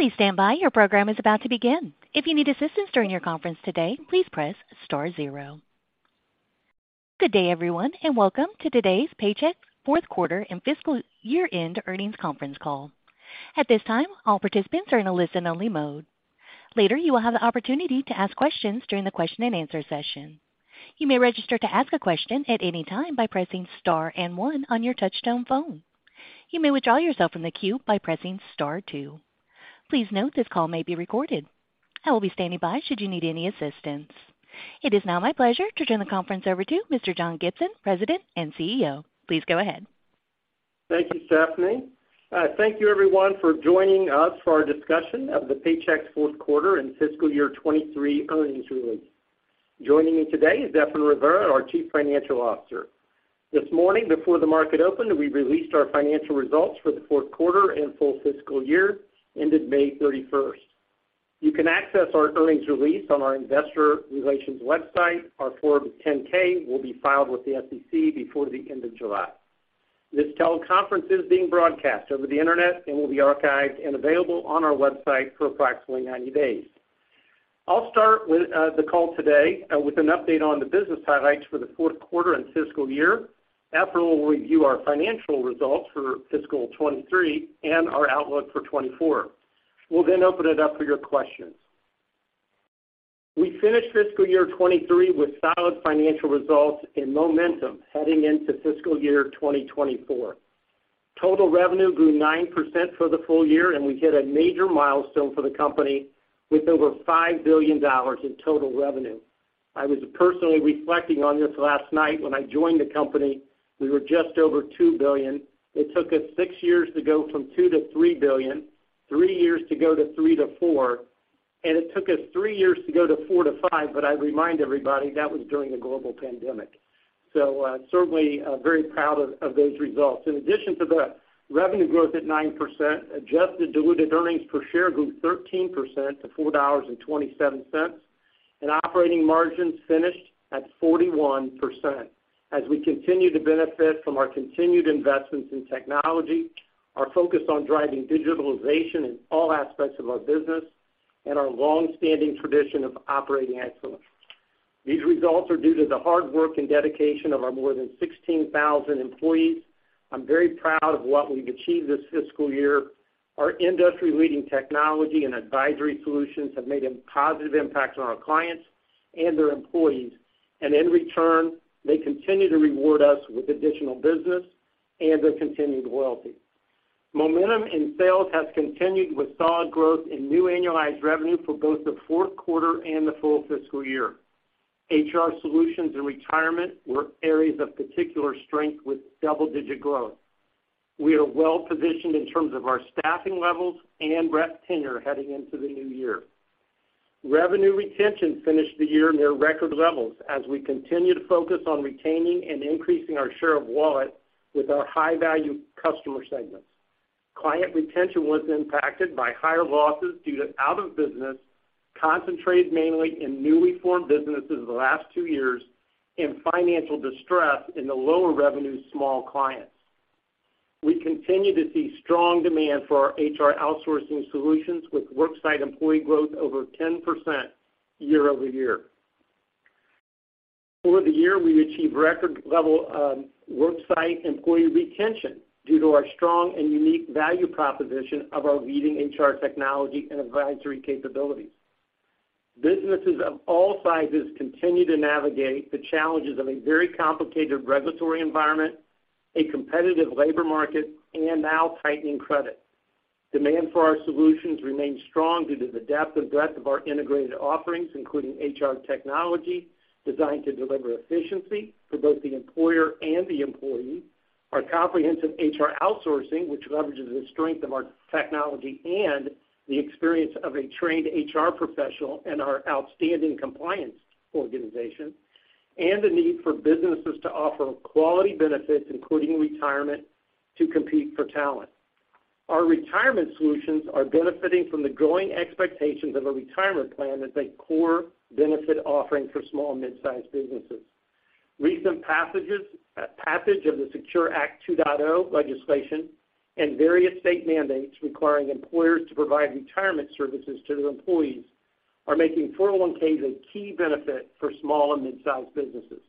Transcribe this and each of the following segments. Good day, everyone, and welcome to today's Paychex fourth quarter and fiscal year-end earnings conference call. At this time, all participants are in a listen-only mode. Later, you will have the opportunity to ask questions during the question-and-answer session. You may register to ask a question at any time by pressing Star and One on your touchtone phone. You may withdraw yourself from the queue by pressing Star Two. Please note, this call may be recorded. I will be standing by should you need any assistance. It is now my pleasure to turn the conference over to Mr. John Gibson, President and CEO. Please go ahead. Thank you, Stephanie. Thank you, everyone, for joining us for our discussion of the Paychex fourth quarter and fiscal year 2023 earnings release. Joining me today is Efrain Rivera, our Chief Financial Officer. This morning, before the market opened, we released our financial results for the fourth quarter and full fiscal year, ended May 31st. You can access our earnings release on our investor relations website. Our Form 10-K will be filed with the SEC before the end of July. This teleconference is being broadcast over the internet and will be archived and available on our website for approximately 90 days. I'll start with the call today with an update on the business highlights for the fourth quarter and fiscal year. Efrain will review our financial results for fiscal 2023 and our outlook for 2024. We'll open it up for your questions. We finished fiscal year 2023 with solid financial results and momentum heading into fiscal year 2024. Total revenue grew 9% for the full year, and we hit a major milestone for the company with over $5 billion in total revenue. I was personally reflecting on this last night. When I joined the company, we were just over $2 billion. It took us six years to go from $2 billion-$3 billion, three years to go to $3 billion-$4 billion, and it took us three years to go to $4 billion-$5 billion, but I remind everybody that was during a global pandemic. Certainly very proud of those results. In addition to the revenue growth at 9%, adjusted diluted earnings per share grew 13% to $4.27, and operating margins finished at 41%. As we continue to benefit from our continued investments in technology, our focus on driving digitalization in all aspects of our business, and our long-standing tradition of operating excellence. These results are due to the hard work and dedication of our more than 16,000 employees. I'm very proud of what we've achieved this fiscal year. Our industry-leading technology and advisory solutions have made a positive impact on our clients and their employees, and in return, they continue to reward us with additional business and their continued loyalty. Momentum in sales has continued with solid growth in new annualized revenue for both the fourth quarter and the full fiscal year. HR Solutions and retirement were areas of particular strength with double-digit growth. We are well-positioned in terms of our staffing levels and rep tenure heading into the new year. Revenue retention finished the year near record levels as we continue to focus on retaining and increasing our share of wallet with our high-value customer segments. Client retention was impacted by higher losses due to out-of-business, concentrated mainly in newly formed businesses in the last two years, in financial distress in the lower revenue small clients. We continue to see strong demand for our HR outsourcing solutions, with worksite employee growth over 10% year-over-year. For the year, we've achieved record level worksite employee retention due to our strong and unique value proposition of our leading HR technology and advisory capabilities. Businesses of all sizes continue to navigate the challenges of a very complicated regulatory environment, a competitive labor market, and now tightening credit. Demand for our solutions remains strong due to the depth and breadth of our integrated offerings, including HR technology, designed to deliver efficiency for both the employer and the employee, our comprehensive HR outsourcing, which leverages the strength of our technology and the experience of a trained HR professional and our outstanding compliance organization, and the need for businesses to offer quality benefits, including retirement, to compete for talent. Our retirement solutions are benefiting from the growing expectations of a retirement plan as a core benefit offering for small and mid-sized businesses. Recent passage of the SECURE 2.0 Act legislation and various state mandates requiring employers to provide retirement services to their employees are making 401(k)s a key benefit for small and mid-sized businesses.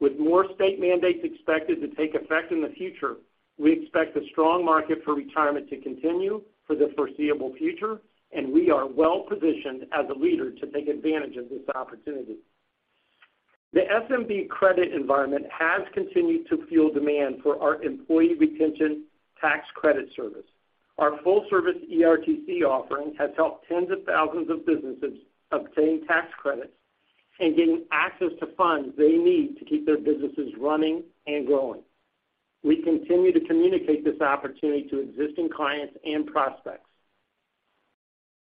With more state mandates expected to take effect in the future, we expect a strong market for retirement to continue for the foreseeable future, and we are well-positioned as a leader to take advantage of this opportunity. The SMB credit environment has continued to fuel demand for our employee retention tax credit service. Our full-service ERTC offering has helped tens of thousands of businesses obtain tax credits and gain access to funds they need to keep their businesses running and growing. We continue to communicate this opportunity to existing clients and prospects.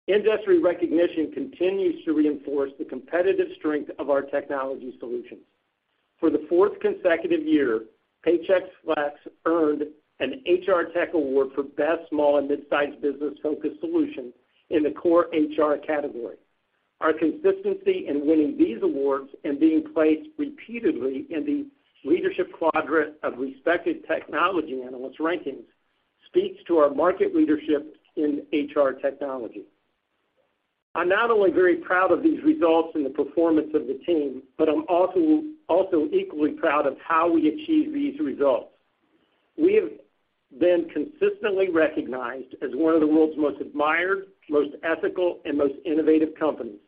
Industry recognition continues to reinforce the competitive strength of our technology solutions. For the fourth consecutive year, Paychex Flex earned an HR Tech award for Best Small and Mid-sized Business Focused Solution in the Core HR category. Our consistency in winning these awards and being placed repeatedly in the leadership quadrant of respected technology analyst rankings speaks to our market leadership in HR technology. I'm not only very proud of these results and the performance of the team, but I'm also equally proud of how we achieve these results. We have been consistently recognized as one of the world's most admired, most ethical, and most innovative companies.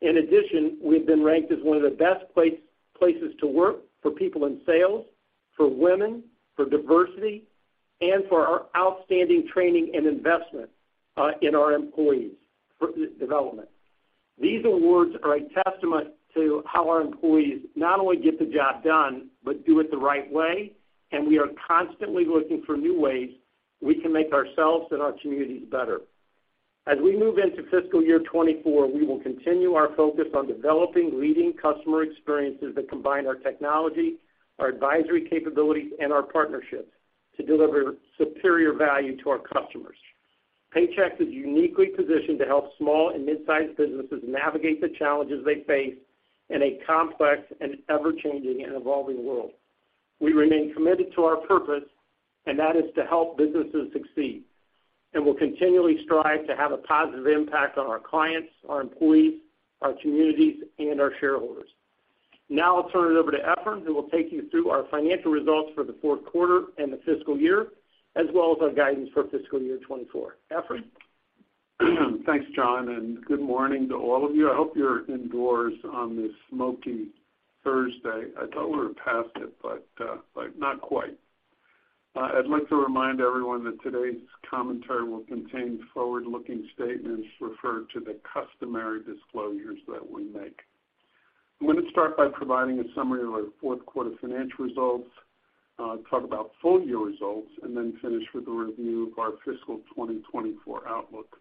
In addition, we've been ranked as one of the best places to work for people in sales, for women, for diversity, and for our outstanding training and investment in our employees for development. These awards are a testament to how our employees not only get the job done, but do it the right way, and we are constantly looking for new ways we can make ourselves and our communities better. As we move into fiscal year 2024, we will continue our focus on developing leading customer experiences that combine our technology, our advisory capabilities, and our partnerships to deliver superior value to our customers. Paychex is uniquely positioned to help small and mid-sized businesses navigate the challenges they face in a complex and ever-changing and evolving world. We remain committed to our purpose, and that is to help businesses succeed, and we'll continually strive to have a positive impact on our clients, our employees, our communities, and our shareholders. I'll turn it over to Efrain, who will take you through our financial results for the fourth quarter and the fiscal year, as well as our guidance for fiscal year 2024. Efrain? Thanks, John. Good morning to all of you. I hope you're indoors on this smoky Thursday. I thought we were past it, but not quite. I'd like to remind everyone that today's commentary will contain forward-looking statements. Refer to the customary disclosures that we make. I'm gonna start by providing a summary of our fourth quarter financial results, talk about full-year results, and then finish with a review of our fiscal 2024 outlook.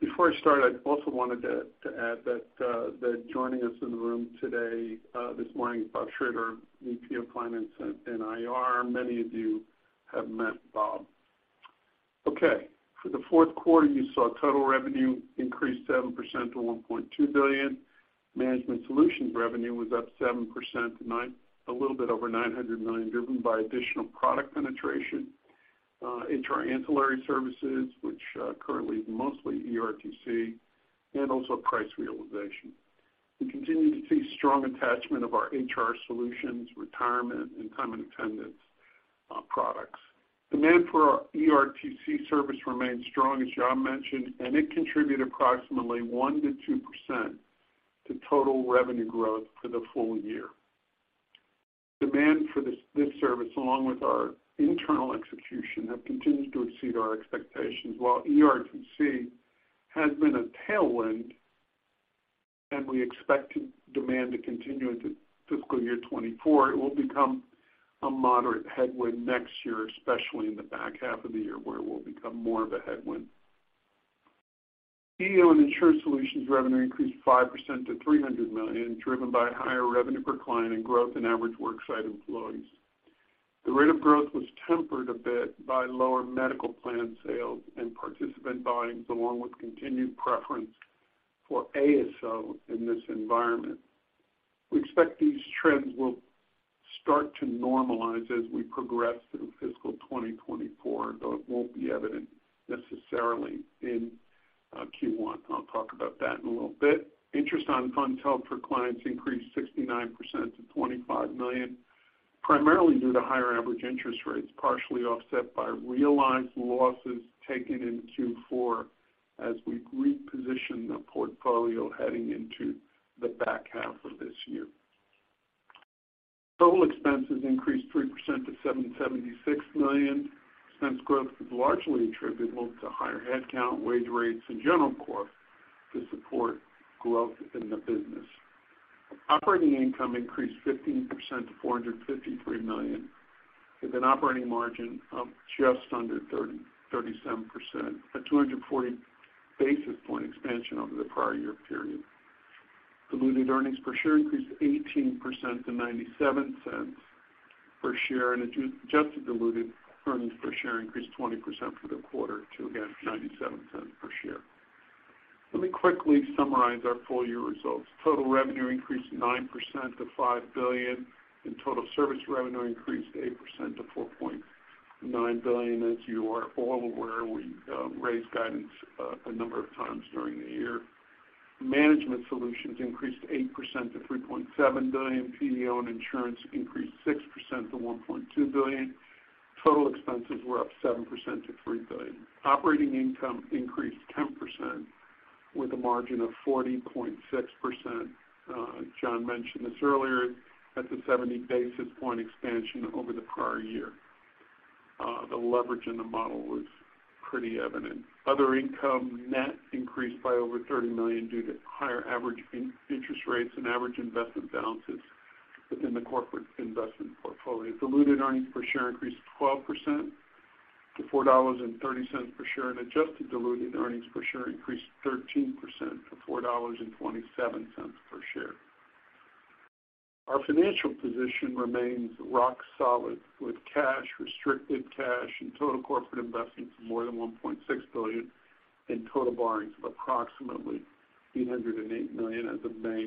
Before I start, I also wanted to add that joining us in the room today, this morning, is Bob Schrader, VP of Finance and IR. Many of you have met Bob. Okay. For the fourth quarter, you saw total revenue increase 7% to $1.2 billion. Management Solutions revenue was up 7%, a little bit over $900 million, driven by additional product penetration into our ancillary services, which currently is mostly ERTC, and also price realization. We continue to see strong attachment of our HR solutions, retirement, and time and attendance products. Demand for our ERTC service remains strong, as John mentioned, and it contributed approximately 1%-2% to total revenue growth for the full year. Demand for this service, along with our internal execution, have continued to exceed our expectations. While ERTC has been a tailwind, and we expect to demand to continue into fiscal year 2024, it will become a moderate headwind next year, especially in the back half of the year, where it will become more of a headwind. PEO and Insurance Solutions revenue increased 5% to $300 million, driven by higher revenue per client and growth in average work site employees. The rate of growth was tempered a bit by lower medical plan sales and participant buy-ins, along with continued preference for ASO in this environment. We expect these trends will start to normalize as we progress through fiscal 2024, though it won't be evident necessarily in Q1. I'll talk about that in a little bit. Interest on funds held for clients increased 69% to $25 million, primarily due to higher average interest rates, partially offset by realized losses taken in Q4 as we repositioned the portfolio heading into the back half of this year. Total expenses increased 3% to $776 million. Expense growth was largely attributable to higher headcount, wage rates, and general corp to support growth in the business. Operating income increased 15% to $453 million, with an operating margin of just under 37%, a 240 basis point expansion over the prior year period. Diluted earnings per share increased 18% to $0.97 per share, and adjusted diluted earnings per share increased 20% for the quarter to, again, $0.97 per share. Let me quickly summarize our full-year results. Total revenue increased 9% to $5 billion, and total service revenue increased 8% to $4.9 billion. As you are all aware, we raised guidance a number of times during the year. Management Solutions increased 8% to $3.7 billion. PEO and Insurance increased 6% to $1.2 billion. Total expenses were up 7% to $3 billion. Operating income increased 10% with a margin of 40.6%. John mentioned this earlier, that's a 70 basis point expansion over the prior year. The leverage in the model was pretty evident. Other income net increased by over $30 million due to higher average interest rates and average investment balances within the corporate investment portfolio. Diluted earnings per share increased 12% to $4.30 per share. Adjusted diluted earnings per share increased 13% to $4.27 per share. Our financial position remains rock solid, with cash, restricted cash and total corporate investments of more than $1.6 billion and total borrowings of approximately $808 million as of May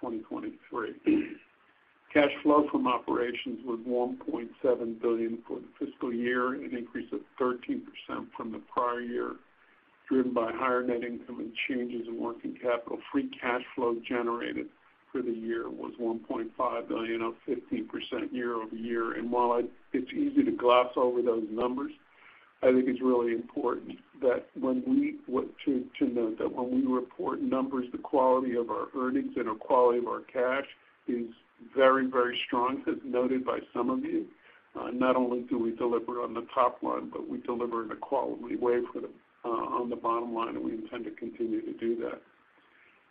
2023. Cash flow from operations was $1.7 billion for the fiscal year, an increase of 13% from the prior year, driven by higher net income and changes in working capital. Free cash flow generated for the year was $1.5 billion, up 15% year-over-year. While it's easy to gloss over those numbers, I think it's really important that when we note that when we report numbers, the quality of our earnings and our quality of our cash is very, very strong, as noted by some of you. Not only do we deliver on the top line, but we deliver in a quality way for the on the bottom line, and we intend to continue to do that.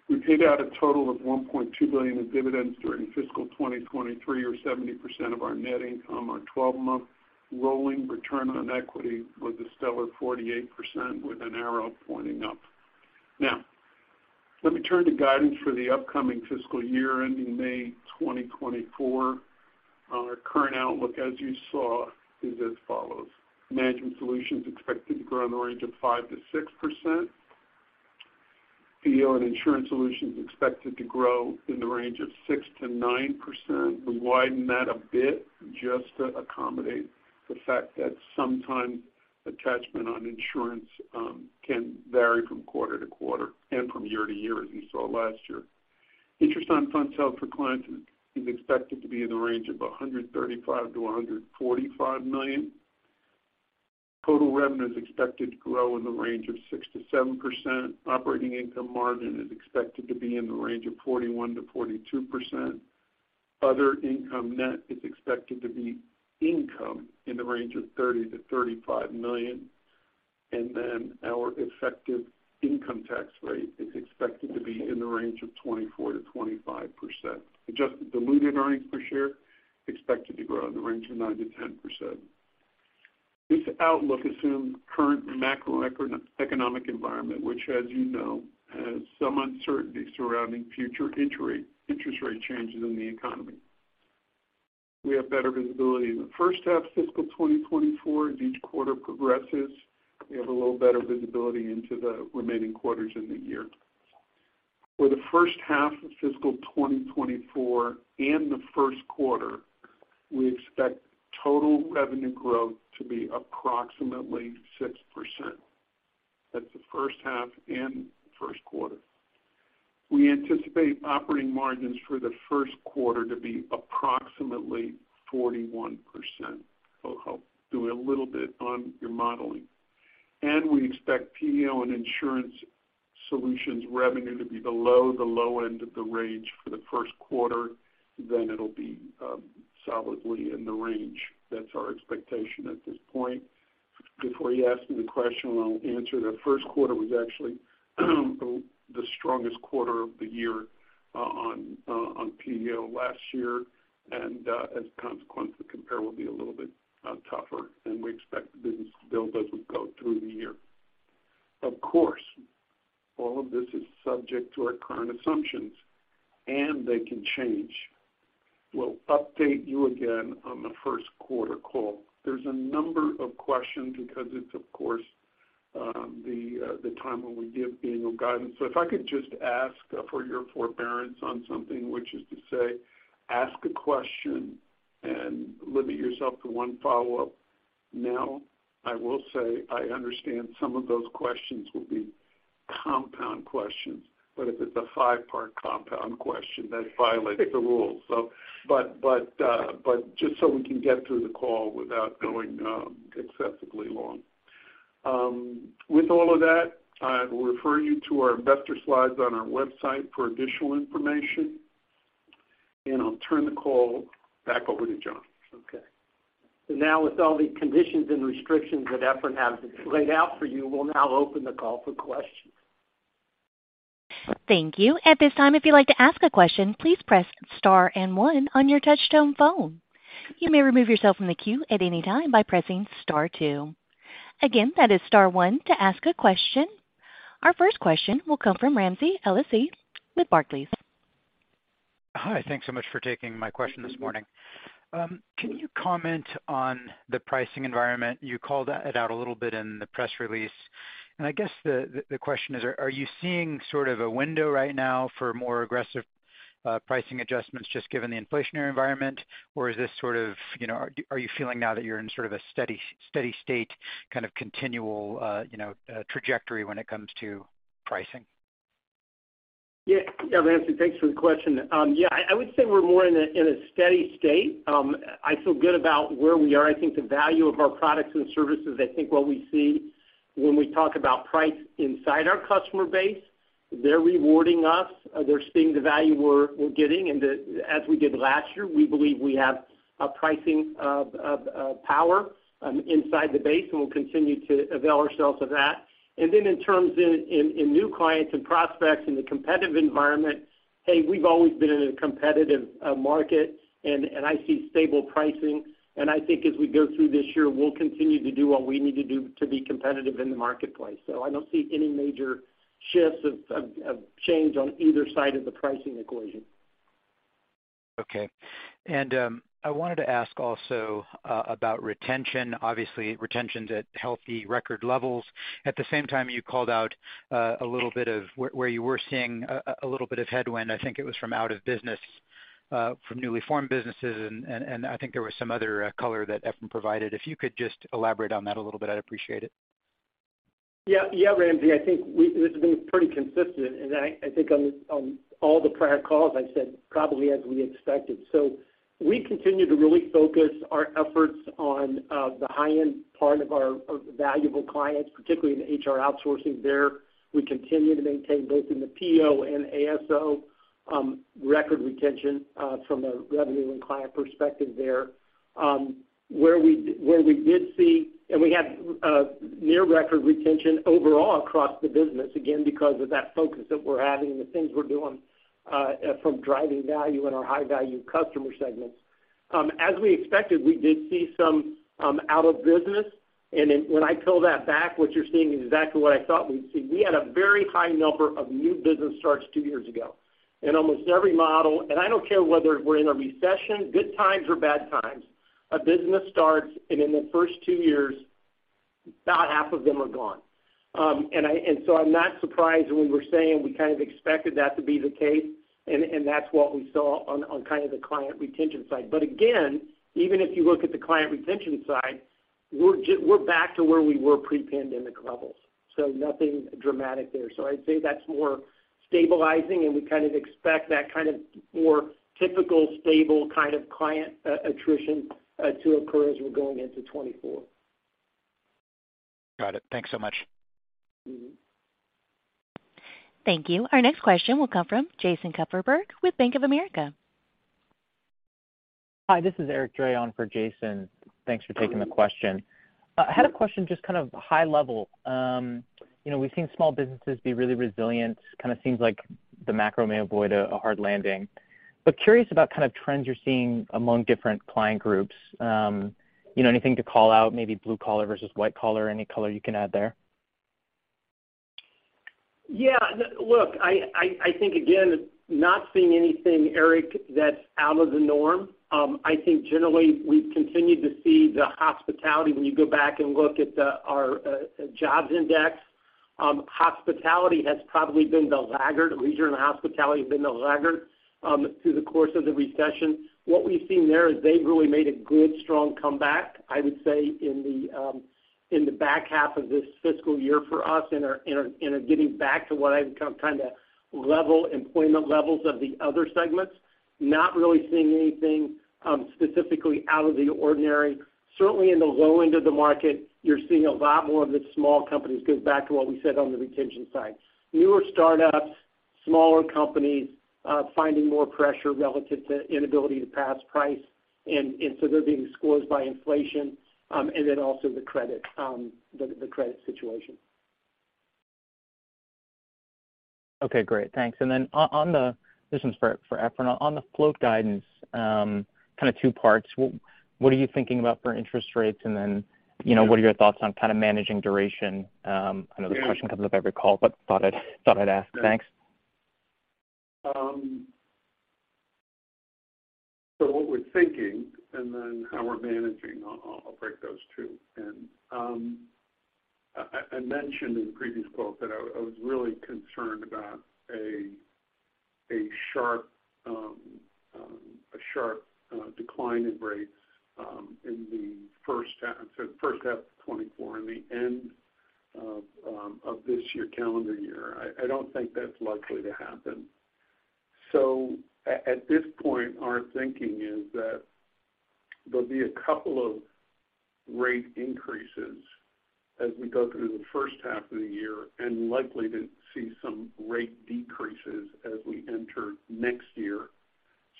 We paid out a total of $1.2 billion in dividends during fiscal 2023 or 70% of our net income. Our 12-month rolling return on equity was a stellar 48% with an arrow pointing up. Let me turn to guidance for the upcoming fiscal year ending May 2024. Our current outlook, as you saw, is as follows: Management Solutions expected to grow in the range of 5%-6%. PEO and Insurance Solutions expected to grow in the range of 6%-9%. We widened that a bit just to accommodate the fact that sometimes attachment on insurance can vary from quarter-to-quarter and from year-to-year, as you saw last year. Interest on funds held for clients is expected to be in the range of $135 million-$145 million. Total revenue is expected to grow in the range of 6%-7%. Operating income margin is expected to be in the range of 41%-42%. Other income net is expected to be income in the range of $30 million-$35 million. Our effective income tax rate is expected to be in the range of 24%-25%. Adjusted diluted earnings per share, expected to grow in the range of 9%-10%. This outlook assumes current macro economic environment, which, as you know, has some uncertainty surrounding future interest rate changes in the economy. We have better visibility in the first half fiscal 2024. As each quarter progresses, we have a little better visibility into the remaining quarters in the year. For the first half of fiscal 2024 and the first quarter, we expect total revenue growth to be approximately 6%. That's the first half and first quarter. We anticipate operating margins for the first quarter to be approximately 41%. It'll help do a little bit on your modeling. We expect PEO and Insurance Solutions revenue to be below the low end of the range for the first quarter, then it'll be solidly in the range. That's our expectation at this point. Before you ask me the question, I'll answer. The first quarter was actually the strongest quarter of the year on PEO last year, as a consequence, the compare will be a little bit tougher than we expect the business to build as we go through the year. Of course, all of this is subject to our current assumptions, and they can change. We'll update you again on the first quarter call. There's a number of questions because it's, of course, the time when we give annual guidance. If I could just ask for your forbearance on something, which is to say, ask a question and limit yourself to one follow-up. I will say I understand some of those questions will be compound questions, but if it's a five-part compound question, that violates the rules. But just so we can get through the call without going excessively long. With all of that, I will refer you to our investor slides on our website for additional information, and I'll turn the call back over to John. Okay. Now, with all the conditions and restrictions that Efrain has laid out for you, we'll now open the call for questions. Thank you. At this time, if you'd like to ask a question, please press star and 1 on your touchtone phone. You may remove yourself from the queue at any time by pressing star 2. Again, that is star 1 to ask a question. Our first question will come from Ramsey El-Assal with Barclays. Hi, thanks so much for taking my question this morning. Can you comment on the pricing environment? You called it out a little bit in the press release. I guess the question is, are you seeing sort of a window right now for more aggressive pricing adjustments just given the inflationary environment? Or is this sort of, you know, are you feeling now that you're in sort of a steady state, kind of continual, you know, trajectory when it comes to pricing? Yeah. Yeah, Ramsey, thanks for the question. Yeah, I would say we're more in a steady state. I feel good about where we are. I think the value of our products and services, I think what we see when we talk about price inside our customer base, they're rewarding us. They're seeing the value we're getting, and as we did last year, we believe we have a pricing of power inside the base, and we'll continue to avail ourselves of that. Then in terms of new clients and prospects in the competitive environment, hey, we've always been in a competitive market, and I see stable pricing. I think as we go through this year, we'll continue to do what we need to do to be competitive in the marketplace. I don't see any major shifts of change on either side of the pricing equation. Okay. I wanted to ask also, about retention. Obviously, retention's at healthy record levels. At the same time, you called out a little bit of where you were seeing a little bit of headwind. I think it was from out of business, from newly formed businesses, and I think there was some other color that Efrain provided. If you could just elaborate on that a little bit, I'd appreciate it. Yeah, yeah, Ramsey, I think this has been pretty consistent, and I think on all the prior calls, I said probably as we expected. We continue to really focus our efforts on the high-end part of our valuable clients, particularly in the HR outsourcing there. We continue to maintain both in the PEO and ASO, record retention, from a revenue and client perspective there. Where we did see, and we had near record retention overall across the business, again, because of that focus that we're having and the things we're doing, from driving value in our high-value customer segments. As we expected, we did see some out of business. When I pull that back, what you're seeing is exactly what I thought we'd see. We had a very high number of new business starts two years ago. In almost every model, I don't care whether we're in a recession, good times or bad times, a business starts, and in the first two years, about half of them are gone. I'm not surprised when we're saying we kind of expected that to be the case, and that's what we saw on kind of the client retention side. Again, even if you look at the client retention side, we're back to where we were pre-pandemic levels, so nothing dramatic there. I'd say that's more stabilizing, and we kind of expect that kind of more typical, stable kind of client attrition to occur as we're going into 2024. Got it. Thanks so much. Mm-hmm. Thank you. Our next question will come from Jason Kupferberg with Bank of America. Hi, this is Eric Dray on for Jason. Thanks for taking the question. I had a question, just kind of high level. you know, we've seen small businesses be really resilient, kind of seems like the macro may avoid a hard landing. Curious about kind of trends you're seeing among different client groups. you know, anything to call out, maybe blue-collar versus white-collar, any color you can add there? Yeah. Look, I think, again, not seeing anything, Eric, that's out of the norm. I think generally, we've continued to see the hospitality. When you go back and look at our jobs index, hospitality has probably been the laggard. Leisure and hospitality have been the laggard through the course of the recession. What we've seen there is they've really made a good, strong comeback, I would say, in the back half of this fiscal year for us and are getting back to what I would call kind of level employment levels of the other segments. Not really seeing anything specifically out of the ordinary. Certainly in the low end of the market, you're seeing a lot more of the small companies, goes back to what we said on the retention side. Newer startups, smaller companies, finding more pressure relative to inability to pass price, and so they're being squeezed by inflation, and then also the credit, the credit situation. Okay, great. Thanks. On the... This one's for Efrain. On the float guidance, kind of two parts. What are you thinking about for interest rates? You know, what are your thoughts on kind of managing duration? I know the question comes up every call, but thought I'd ask. Thanks. So what we're thinking and then how we're managing, I'll break those two. I mentioned in the previous quote that I was really concerned about a sharp decline in rates in the first half, so first half of 2024 and the end of this year, calendar year. I don't think that's likely to happen. At this point, our thinking is that there'll be a couple of rate increases as we go through the first half of the year, and likely to see some rate decreases as we enter next year.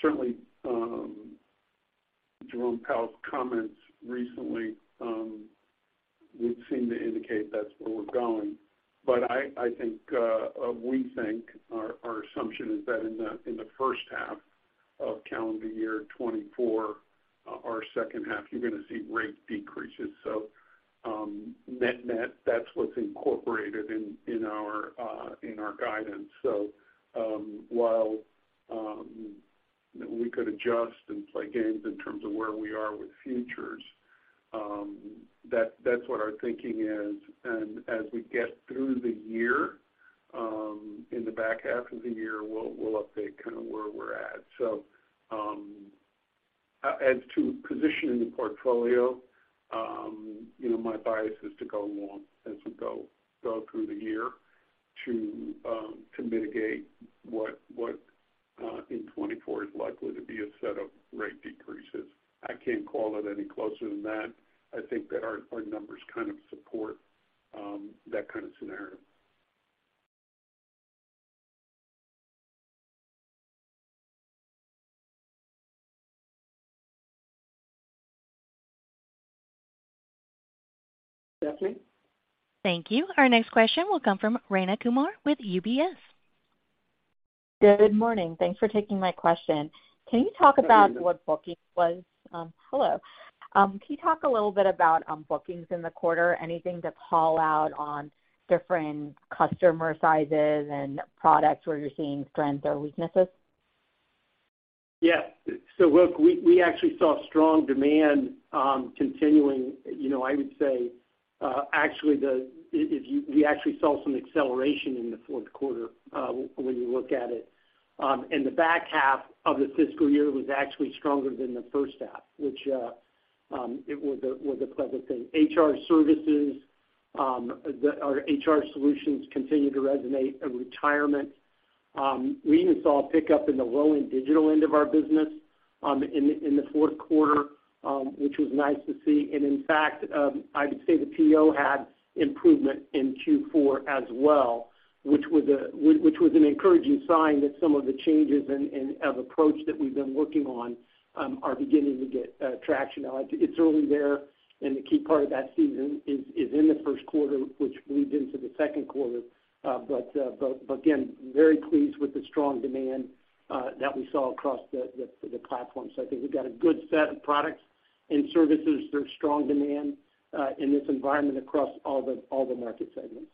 Certainly, Jerome Powell's comments recently would seem to indicate that's where we're going. I think, we think, our assumption is that in the first half of calendar year 2024, or second half, you're gonna see rate decreases. Net-net, that's what's incorporated in our guidance. While we could adjust and play games in terms of where we are with futures, that's what our thinking is. As we get through the year, in the back half of the year, we'll update kind of where we're at. As to positioning the portfolio, you know, my bias is to go long as we go through the year to mitigate what in 2024 is likely to be a set of rate decreases. I can't call it any closer than that. I think that our current numbers kind of support, that kind of scenario. Stephanie? Thank you. Our next question will come from Rayna Kumar with UBS.... Good morning. Thanks for taking my question. Can you talk about what booking was? Hello. Can you talk a little bit about bookings in the quarter? Anything to call out on different customer sizes and products where you're seeing strengths or weaknesses? Look, we actually saw strong demand continuing. You know, I would say actually, we actually saw some acceleration in the fourth quarter when you look at it. The back half of the fiscal year was actually stronger than the first half, which it was a pleasant thing. HR services, our HR solutions continued to resonate in retirement. We even saw a pickup in the low-end digital end of our business in the fourth quarter, which was nice to see. In fact, I would say the PEO had improvement in Q4 as well, which was an encouraging sign that some of the changes and of approach that we've been working on are beginning to get traction. It's early there, and the key part of that season is in the first quarter, which bleeds into the second quarter. But, again, very pleased with the strong demand that we saw across the platform. I think we've got a good set of products and services. There's strong demand in this environment across all the market segments.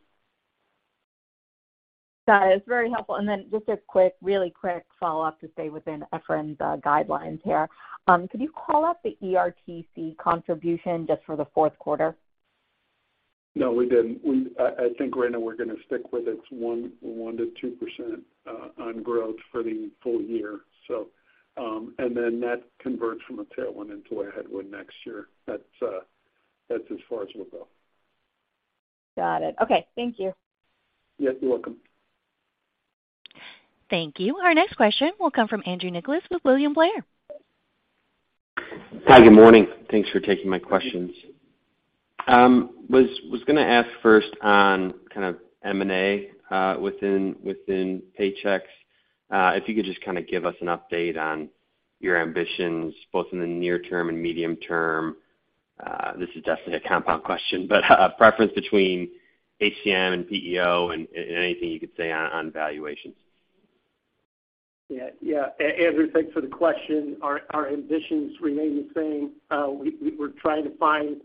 Got it. It's very helpful. Just a quick, really quick follow-up to stay within Efrain's guidelines here. Could you call out the ERTC contribution just for the fourth quarter? No, we didn't. I think right now we're gonna stick with it's 1%-2% on growth for the full year. That converts from a tailwind into a headwind next year. That's as far as we'll go. Got it. Okay. Thank you. Yes, you're welcome. Thank you. Our next question will come from Andrew Nicholas with William Blair. Hi, good morning. Thanks for taking my questions. was gonna ask first on kind of M&A within Paychex. If you could just kind of give us an update on your ambitions, both in the near term and medium term. This is definitely a compound question, but a preference between HCM and PEO and anything you could say on valuations. Yeah, yeah. Andrew, thanks for the question. Our ambitions remain the same. We're trying to find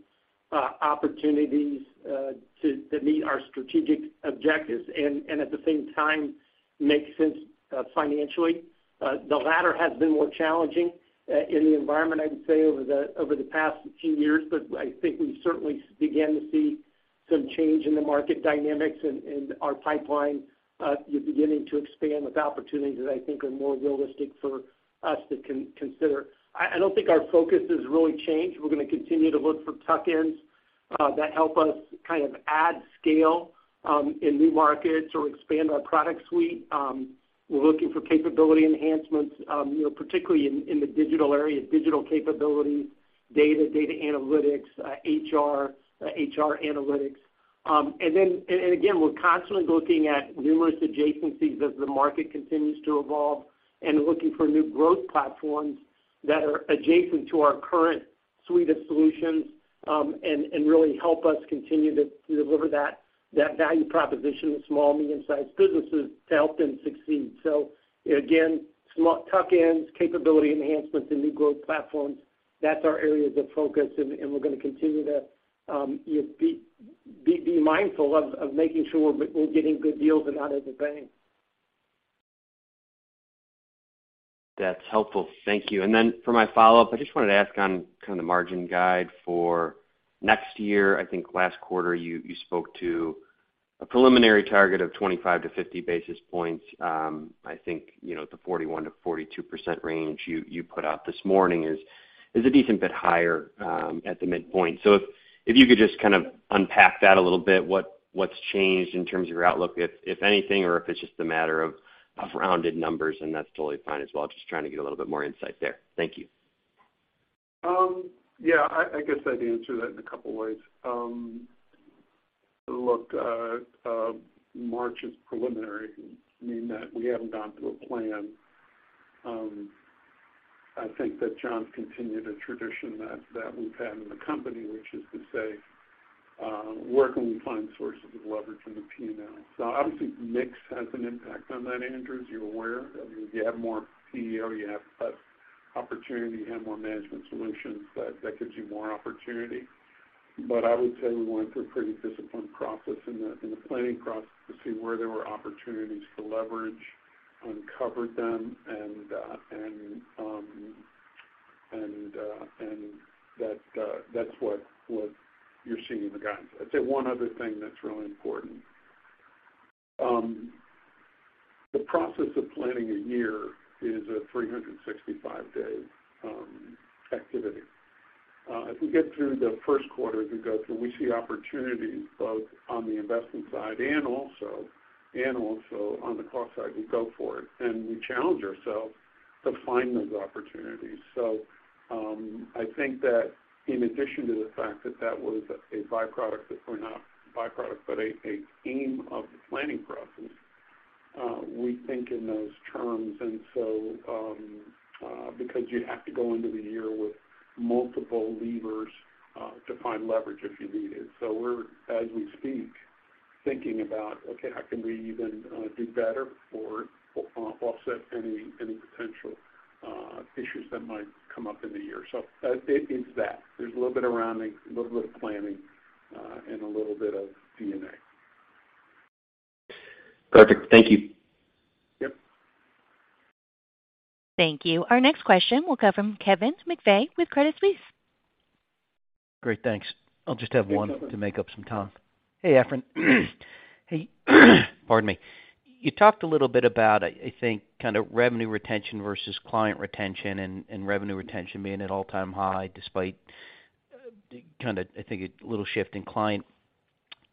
opportunities to meet our strategic objectives and at the same time, make sense financially. The latter has been more challenging in the environment, I would say, over the past few years, but I think we've certainly began to see some change in the market dynamics and our pipeline is beginning to expand with opportunities that I think are more realistic for us to consider. I don't think our focus has really changed. We're gonna continue to look for tuck-ins that help us kind of add scale in new markets or expand our product suite. We're looking for capability enhancements, you know, particularly in the digital area, digital capability, data analytics, HR analytics. We're constantly looking at numerous adjacencies as the market continues to evolve, and looking for new growth platforms that are adjacent to our current suite of solutions, and really help us continue to deliver that value proposition to small, medium-sized businesses to help them succeed. Again, small tuck-ins, capability enhancements, and new growth platforms, that's our areas of focus, and we're gonna continue to just be mindful of making sure we're getting good deals and not overpaying. That's helpful. Thank you. For my follow-up, I just wanted to ask on kind of the margin guide for next year. I think last quarter you spoke to a preliminary target of 25 to 50 basis points. I think, you know, the 41%-42% range you put out this morning is a decent bit higher at the midpoint. If you could just kind of unpack that a little bit. What's changed in terms of your outlook, if anything, or if it's just a matter of rounded numbers, and that's totally fine as well. Just trying to get a little bit more insight there. Thank you. Yeah, I guess I'd answer that in a couple ways. Look, March is preliminary, meaning that we haven't gone through a plan. I think that John's continued a tradition that we've had in the company, which is to say, where can we find sources of leverage in the P&L? Obviously, mix has an impact on that, Andrew, as you're aware. I mean, if you have more PEO, you have less opportunity. You have more Management Solutions, that gives you more opportunity. I would say we went through a pretty disciplined process in the, in the planning process to see where there were opportunities for leverage, uncovered them, and that's what you're seeing in the guidance. I'd say one other thing that's really important. The process of planning a year is a 365-day activity. If we get through the first quarter, if we go through, we see opportunities both on the investment side and also on the cost side, we go for it, and we challenge ourselves to find those opportunities. I think that in addition to the fact that that was a by-product, but an aim of the planning process, we think in those terms. Because you have to go into the year with multiple levers to find leverage if you need it. We're, as we speak, thinking about, okay, how can we even do better or offset any potential issues that might come up in the year? It is that. There's a little bit of planning, and a little bit of DNA. Perfect. Thank you. Yep. Thank you. Our next question will come from Kevin McVeigh with Crédit Suisse. Great, thanks. I'll just have one- Hey, Kevin. To make up some time. Hey, Efrain. Hey, pardon me. You talked a little bit about, I think, kind of revenue retention versus client retention, and revenue retention being at an all-time high, despite, kind of, I think, a little shift in client.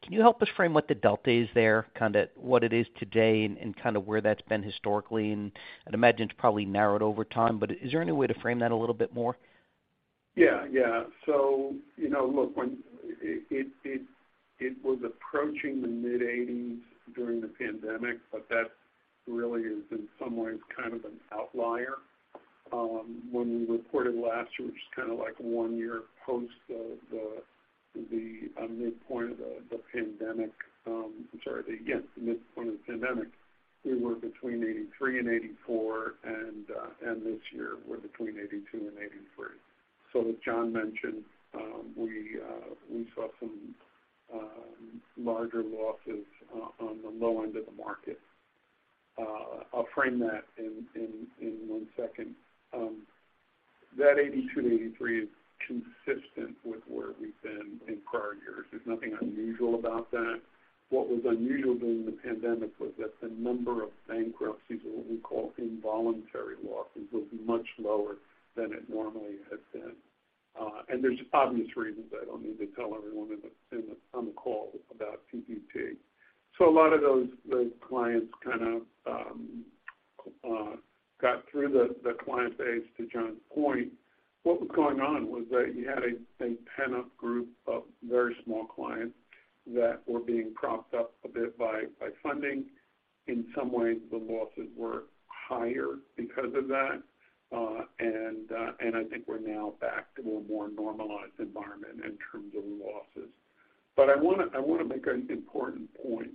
Can you help us frame what the delta is there? Kinda what it is today and kind of where that's been historically, and I'd imagine it's probably narrowed over time, but is there any way to frame that a little bit more? Yeah, yeah. You know, look, when it was approaching the mid-eighties during the pandemic, but that really is, in some ways, kind of an outlier. When we reported last year, which is kind of like one year post the midpoint of the pandemic, I'm sorry, again, the midpoint of the pandemic, we were between 83 and 84, and this year we're between 82 and 83. As John mentioned, we saw some larger losses on the low end of the market. I'll frame that in one second. That 82-83 is consistent with where we've been in prior years. There's nothing unusual about that. What was unusual during the pandemic was that the number of bankruptcies, or what we call involuntary losses, was much lower than it normally has been. There's obvious reasons. I don't need to tell everyone in the, in the, on the call about PPP. A lot of those clients kind of got through the client base, to John's point. What was going on was that you had a pent-up group of very small clients that were being propped up a bit by funding. In some ways, the losses were higher because of that. I think we're now back to a more normalized environment in terms of losses. I wanna make an important point,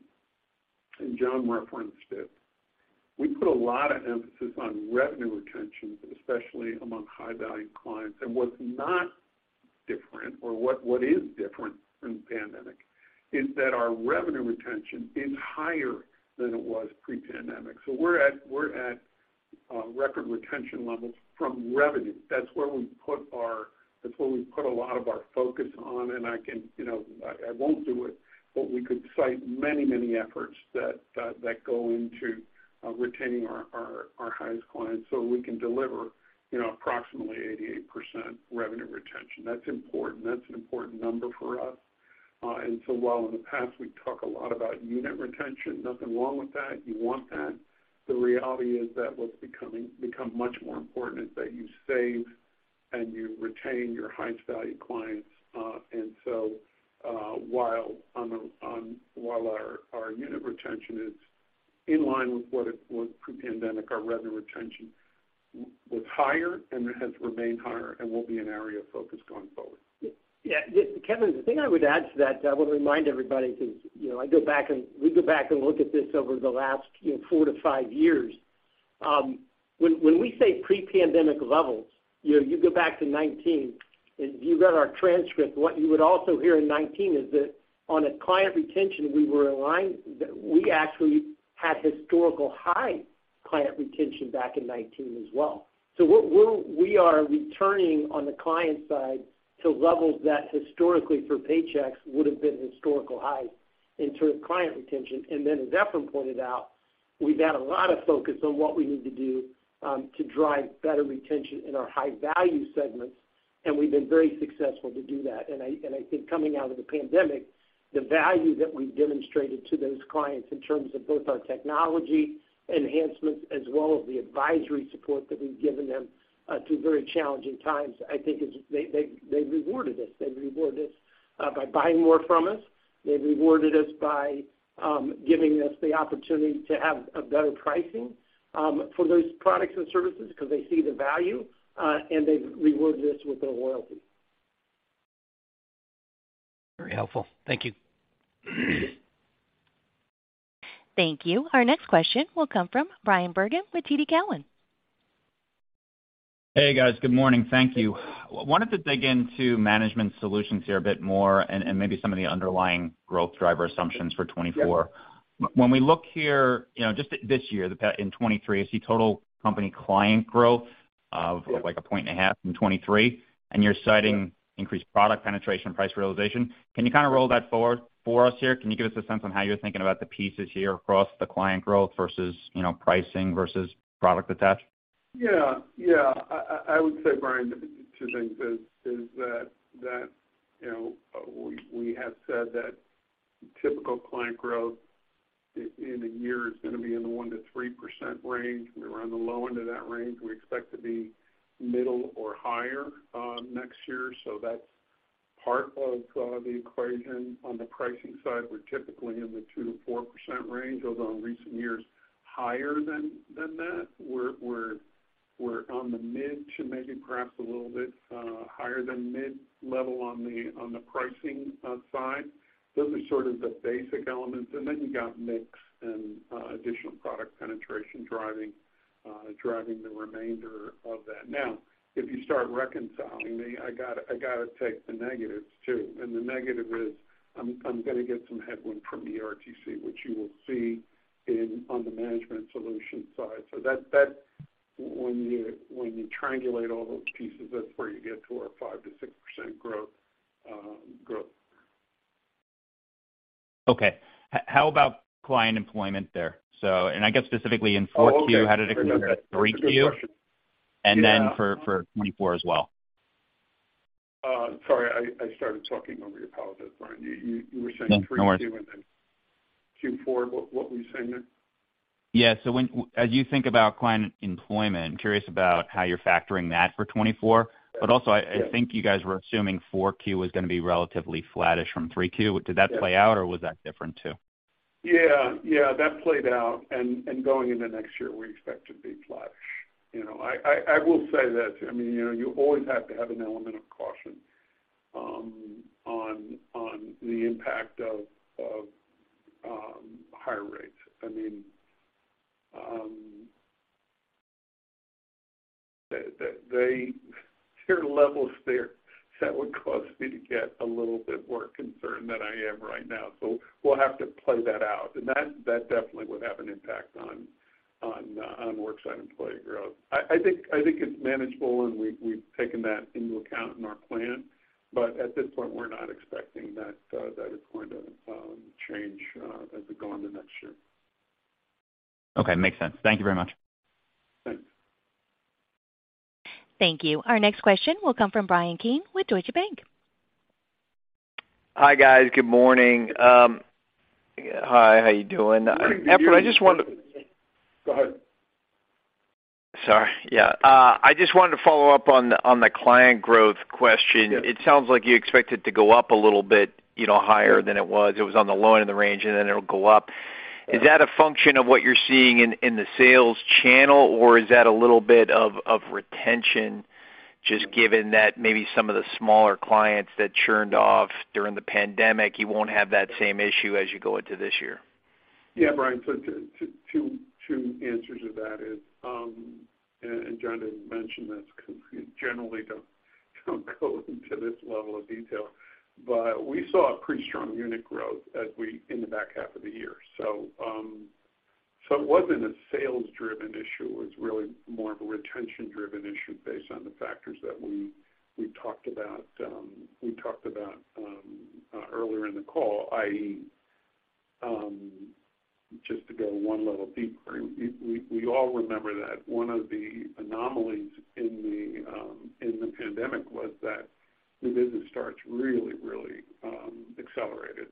and John referenced it. We put a lot of emphasis on revenue retention, especially among high-value clients. What's not different or what is different from the pandemic, is that our revenue retention is higher than it was pre-pandemic. We're at record retention levels from revenue. That's where we put a lot of our focus on, and I can, you know, I won't do it, but we could cite many efforts that go into retaining our highest clients so we can deliver, you know, approximately 88% revenue retention. That's important. That's an important number for us. While in the past, we talk a lot about unit retention, nothing wrong with that, you want that. The reality is that what's become much more important is that you save and you retain your highest value clients. While our unit retention is in line with what it was pre-pandemic, our revenue retention was higher and has remained higher and will be an area of focus going forward. Yeah, Kevin, the thing I would add to that, I would remind everybody, because, you know, we go back and look at this over the last, you know, four to five years. When we say pre-pandemic levels, you know, you go back to 2019, and if you got our transcript, what you would also hear in 2019 is that on a client retention, that we actually had historical high client retention back in 2019 as well. We are returning on the client side to levels that historically for Paychex would have been historical highs in terms of client retention. As Efrain pointed out, we've had a lot of focus on what we need to do to drive better retention in our high-value segments, and we've been very successful to do that. I think coming out of the pandemic, the value that we've demonstrated to those clients in terms of both our technology enhancements as well as the advisory support that we've given them through very challenging times, they rewarded us. They rewarded us by buying more from us. They've rewarded us by giving us the opportunity to have a better pricing for those products and services because they see the value, and they've rewarded us with their loyalty. Very helpful. Thank you. Thank you. Our next question will come from Bryan Bergin with TD Cowen. Hey, guys. Good morning. Thank you. I wanted to dig into Management Solutions here a bit more and maybe some of the underlying growth driver assumptions for 2024. Yep. When we look here, you know, just this year, in 2023, I see total company client growth of- Yeah like a point and a half in 2023, and you're citing- Right Increased product penetration and price realization. Can you kind of roll that forward for us here? Can you give us a sense on how you're thinking about the pieces here across the client growth versus, you know, pricing versus product attach? Yeah. Yeah. I would say, Bryan, two things is that, you know, we have said that typical client growth in a year is gonna be in the 1%-3% range. We're on the low end of that range. We expect to be middle or higher next year. That's part of the equation on the pricing side, we're typically in the 2%-4% range, although in recent years, higher than that, we're on the mid to maybe perhaps a little bit higher than mid-level on the pricing side. Those are sort of the basic elements. Then you got mix and additional product penetration, driving the remainder of that. Now, if you start reconciling me, I gotta take the negatives, too. The negative is, I'm gonna get some headwind from the RTC, which you will see on the Management Solutions side. When you triangulate all those pieces, that's where you get to our 5% to 6% growth. Okay. How about client employment there? I guess specifically in 4Q, how did it compare to 3Q? That's a good question. for 2024 as well. Sorry, I started talking over you. Apologize, Bryan. You were saying 3Q- No, no worries. Q4. What were you saying there? Yeah. As you think about client employment, I'm curious about how you're factoring that for 2024. Yes. Also, I think you guys were assuming 4Q was gonna be relatively flattish from 3Q. Yes. Did that play out or was that different too? Yeah, that played out. Going into next year, we expect to be flattish. You know, I will say that, I mean, you know, you always have to have an element of caution on the impact of higher rates. I mean, there are levels there that would cause me to get a little bit more concerned than I am right now. We'll have to play that out, and that definitely would have an impact on worksite employee growth. I think it's manageable, and we've taken that into account in our plan. At this point, we're not expecting that is going to change as we go into next year. Okay, makes sense. Thank you very much. Thanks. Thank you. Our next question will come from Bryan Keane with Deutsche Bank. Hi, guys. Good morning. Hi, how are you doing? Good. I just wanted to- Go ahead. Sorry. Yeah, I just wanted to follow up on the, on the client growth question. Yeah. It sounds like you expect it to go up a little bit, you know, higher than it was. It was on the lower end of the range, and then it'll go up. Yeah. Is that a function of what you're seeing in the sales channel, or is that a little bit of retention, just given that maybe some of the smaller clients that churned off during the pandemic, you won't have that same issue as you go into this year? Yeah, Bryan, two answers to that is, and John has mentioned this, because we generally don't go into this level of detail, but we saw a pretty strong unit growth in the back half of the year. It wasn't a sales-driven issue. It was really more of a retention-driven issue based on the factors that we talked about earlier in the call, i.e., just to go one level deeper, we all remember that one of the anomalies in the pandemic was that new business starts really accelerated.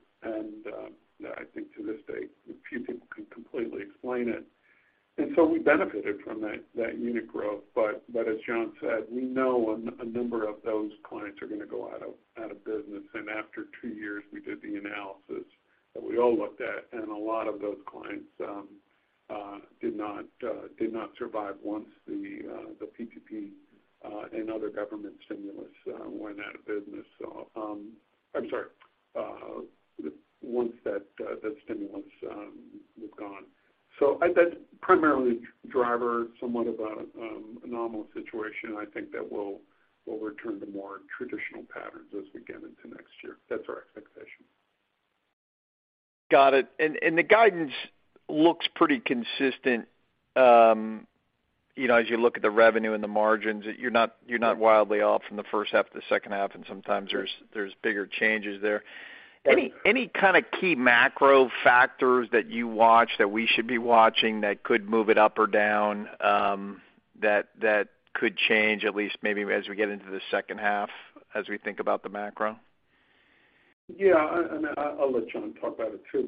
I think to this day, a few people can completely explain it. We benefited from that unit growth. As John said, we know a number of those clients are gonna go out of business. After two years, we did the analysis that we all looked at, and a lot of those clients did not survive once the PPP and other government stimulus went out of business. I'm sorry, once that stimulus was gone. That's primarily driver, somewhat of an anomalous situation, I think that will return to more traditional patterns as we get into next year. That's our expectation. Got it. The guidance looks pretty consistent, you know, as you look at the revenue and the margins, you're not wildly off from the first half to the second half, sometimes there's bigger changes there. Any kind of key macro factors that you watch that we should be watching that could move it up or down, that could change at least maybe as we get into the second half, as we think about the macro? Yeah, I'll let John talk about it too.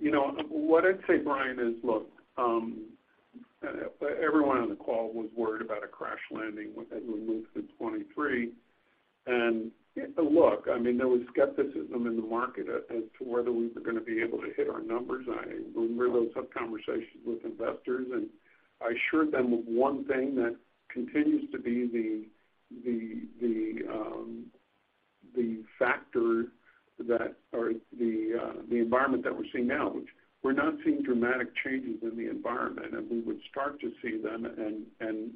You know what I'd say, Bryan, is, look, everyone on the call was worried about a crash landing as we moved to 2023. Look, I mean, there was skepticism in the market as to whether we were gonna be able to hit our numbers. I remember those conversations with investors, I assured them of one thing that continues to be the factor or the environment that we're seeing now, which we're not seeing dramatic changes in the environment, and we would start to see them and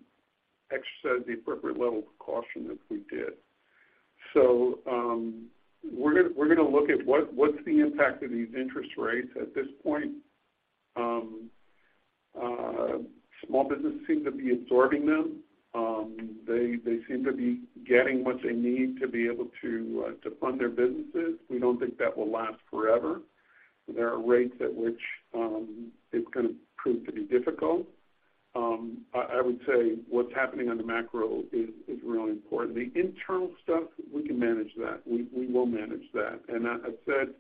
exercise the appropriate level of caution if we did. We're gonna look at what's the impact of these interest rates at this point. Small businesses seem to be absorbing them. They seem to be getting what they need to be able to fund their businesses. We don't think that will last forever. There are rates at which it's gonna prove to be difficult. I would say what's happening on the macro is really important. The internal stuff, we can manage that. We will manage that. And that said,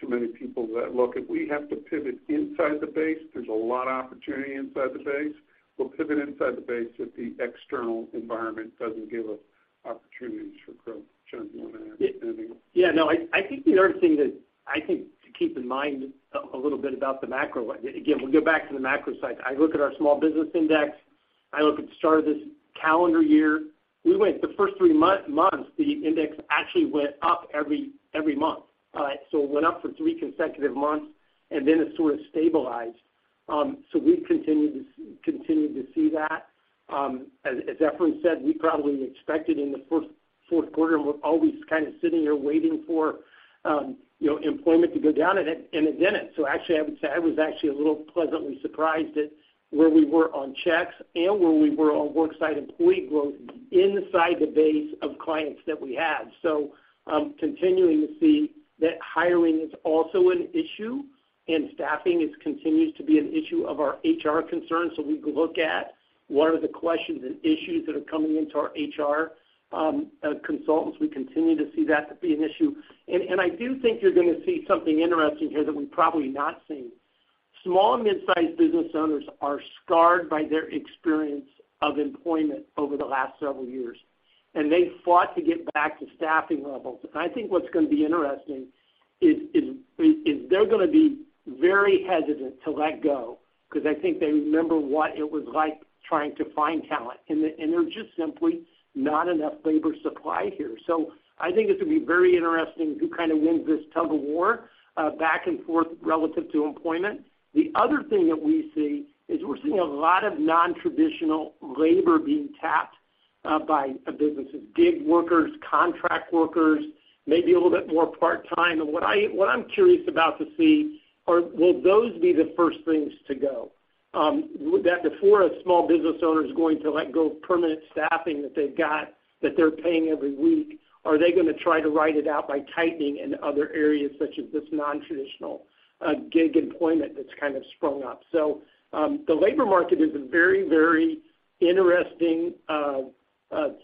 too many people that look, if we have to pivot inside the base, there's a lot of opportunity inside the base. We'll pivot inside the base if the external environment doesn't give us opportunities for growth. John, do you want to add anything? Yeah, no, I think the other thing that I think to keep in mind a little bit about the macro, again, we'll go back to the macro side. I look at our small business index. I look at the start of this calendar year. We went the first three months, the index actually went up every month. It went up for three consecutive months, and then it sort of stabilized. We've continued to see that. As Efrain said, we probably expected in the first fourth quarter, we're always kind of sitting here waiting for, you know, employment to go down, and it, and it didn't. Actually, I would say I was actually a little pleasantly surprised at where we were on checks and where we were on work site employee growth inside the base of clients that we had. I'm continuing to see that hiring is also an issue, and staffing is continues to be an issue of our HR concerns. We look at what are the questions and issues that are coming into our HR consultants. We continue to see that to be an issue. I do think you're going to see something interesting here that we've probably not seen. Small and mid-sized business owners are scarred by their experience of employment over the last several years, and they fought to get back to staffing levels. I think what's going to be interesting is, they're going to be very hesitant to let go because I think they remember what it was like trying to find talent, and there's just simply not enough labor supply here. I think it's going to be very interesting who kind of wins this tug-of-war, back and forth relative to employment. The other thing that we see is we're seeing a lot of non-traditional labor being tapped by businesses, gig workers, contract workers, maybe a little bit more part-time. What I'm curious about to see are, will those be the first things to go? Would that before a small business owner is going to let go permanent staffing that they've got, that they're paying every week, are they going to try to ride it out by tightening in other areas, such as this non-traditional gig employment that's kind of sprung up? The labor market is a very, very interesting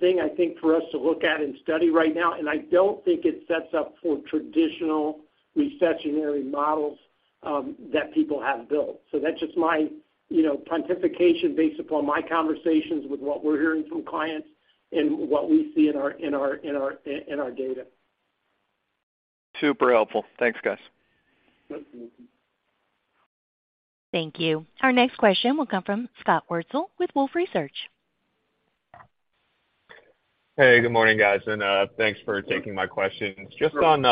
thing, I think, for us to look at and study right now, and I don't think it sets up for traditional recessionary models that people have built. That's just my, you know, pontification based upon my conversations with what we're hearing from clients and what we see in our, in our, in our, in our data. Super helpful. Thanks, guys. Welcome. Thank you. Our next question will come from Scott Wurtzel with Wolfe Research. Hey, good morning, guys, and thanks for taking my questions. Just on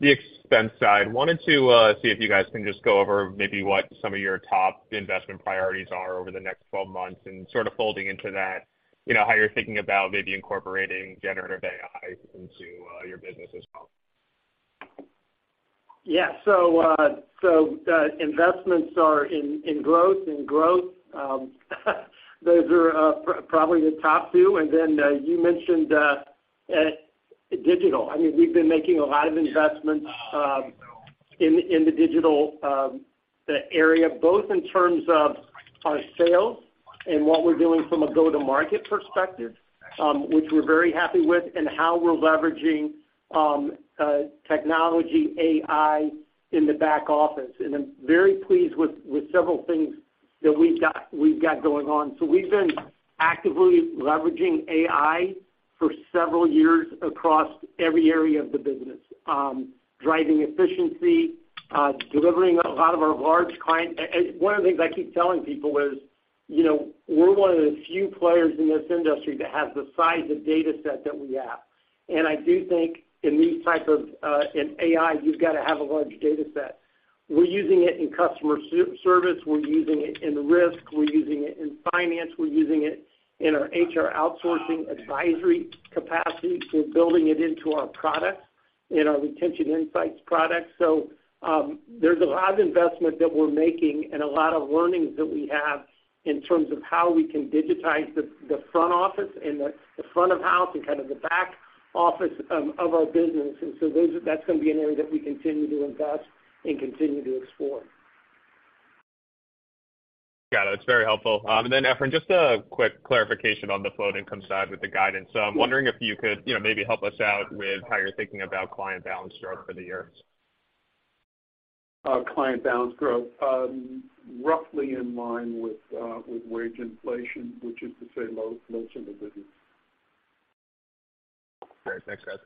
the expense side, wanted to see if you guys can just go over maybe what some of your top investment priorities are over the next 12 months, and sort of folding into that, you know, how you're thinking about maybe incorporating generative AI into your business as well? Yeah. Investments are in growth, in growth. Those are probably the top two. You mentioned digital. I mean, we've been making a lot of investments in the digital area, both in terms of our sales and what we're doing from a go-to-market perspective, which we're very happy with, and how we're leveraging technology AI in the back office. I'm very pleased with several things that we've got going on. We've been actively leveraging AI for several years across every area of the business, driving efficiency, delivering a lot of our large client... One of the things I keep telling people is, you know, we're one of the few players in this industry that has the size of data set that we have. I do think in these type of, in AI, you've got to have a large data set. We're using it in customer service. We're using it in risk. We're using it in finance. We're using it in our HR outsourcing advisory capacity. We're building it into our products, in our retention insights products. There's a lot of investment that we're making and a lot of learnings that we have in terms of how we can digitize the front office and the front of house and kind of the back office of our business. That's going to be an area that we continue to invest and continue to explore. Got it. It's very helpful. Efrain, just a quick clarification on the float income side with the guidance. I'm wondering if you could, you know, maybe help us out with how you're thinking about client balance growth for the year? client balance growth, roughly in line with wage inflation, which is to say low, low single digits. Great. Thanks, guys.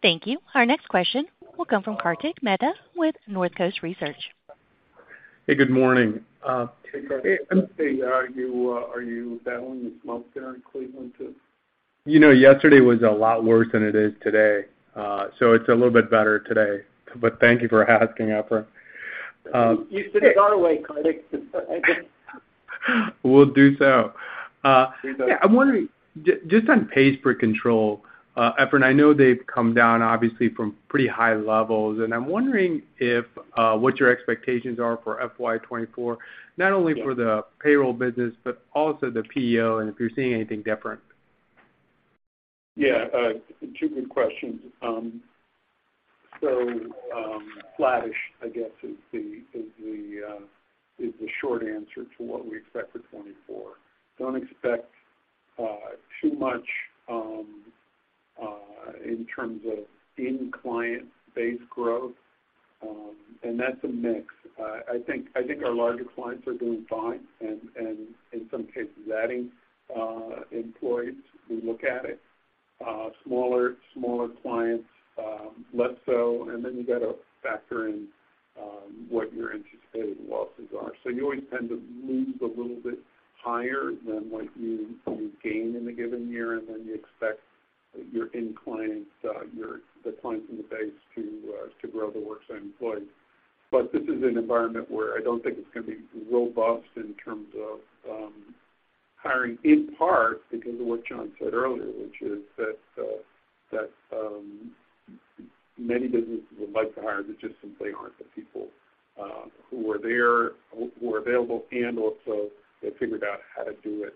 Thank you. Our next question will come from Kartik Mehta with Northcoast Research. Hey, good morning. Hey, Kartik. Are you battling the smoke there in Cleveland, too? You know, yesterday was a lot worse than it is today. It's a little bit better today, but thank you for asking, Efrain. You should go away, Kartik. Will do so. yeah, I'm wondering just on Paychex for control, Efrain, I know they've come down obviously from pretty high levels, and I'm wondering if what your expectations are for FY 2024, not only for the payroll business, but also the PEO, and if you're seeing anything different? Yeah, two good questions. Flattish, I guess, is the short answer to what we expect for 2024. Don't expect too much in terms of in-client base growth, and that's a mix. I think our larger clients are doing fine, and in some cases, adding employees who look at it. Smaller clients, less so, and then you've got to factor in what your anticipated losses are. You always tend to lose a little bit higher than what you gain in a given year, and then you expect your in-client, the clients in the base to grow the worksite employees. This is an environment where I don't think it's gonna be robust in terms of hiring, in part, because of what John said earlier, which is that many businesses would like to hire, but just simply aren't the people who are there, who are available, and also they figured out how to do it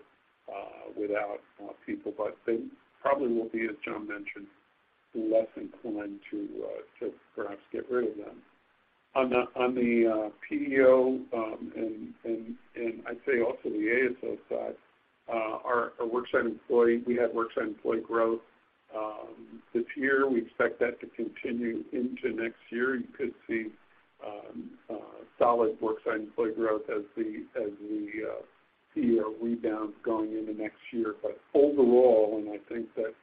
without people. They probably will be, as John mentioned, less inclined to perhaps get rid of them. On the PEO and I'd say also the ASO side, our worksite employee, we had worksite employee growth this year. We expect that to continue into next year. You could see solid worksite employee growth as we see a rebound going into next year. overall, and I think that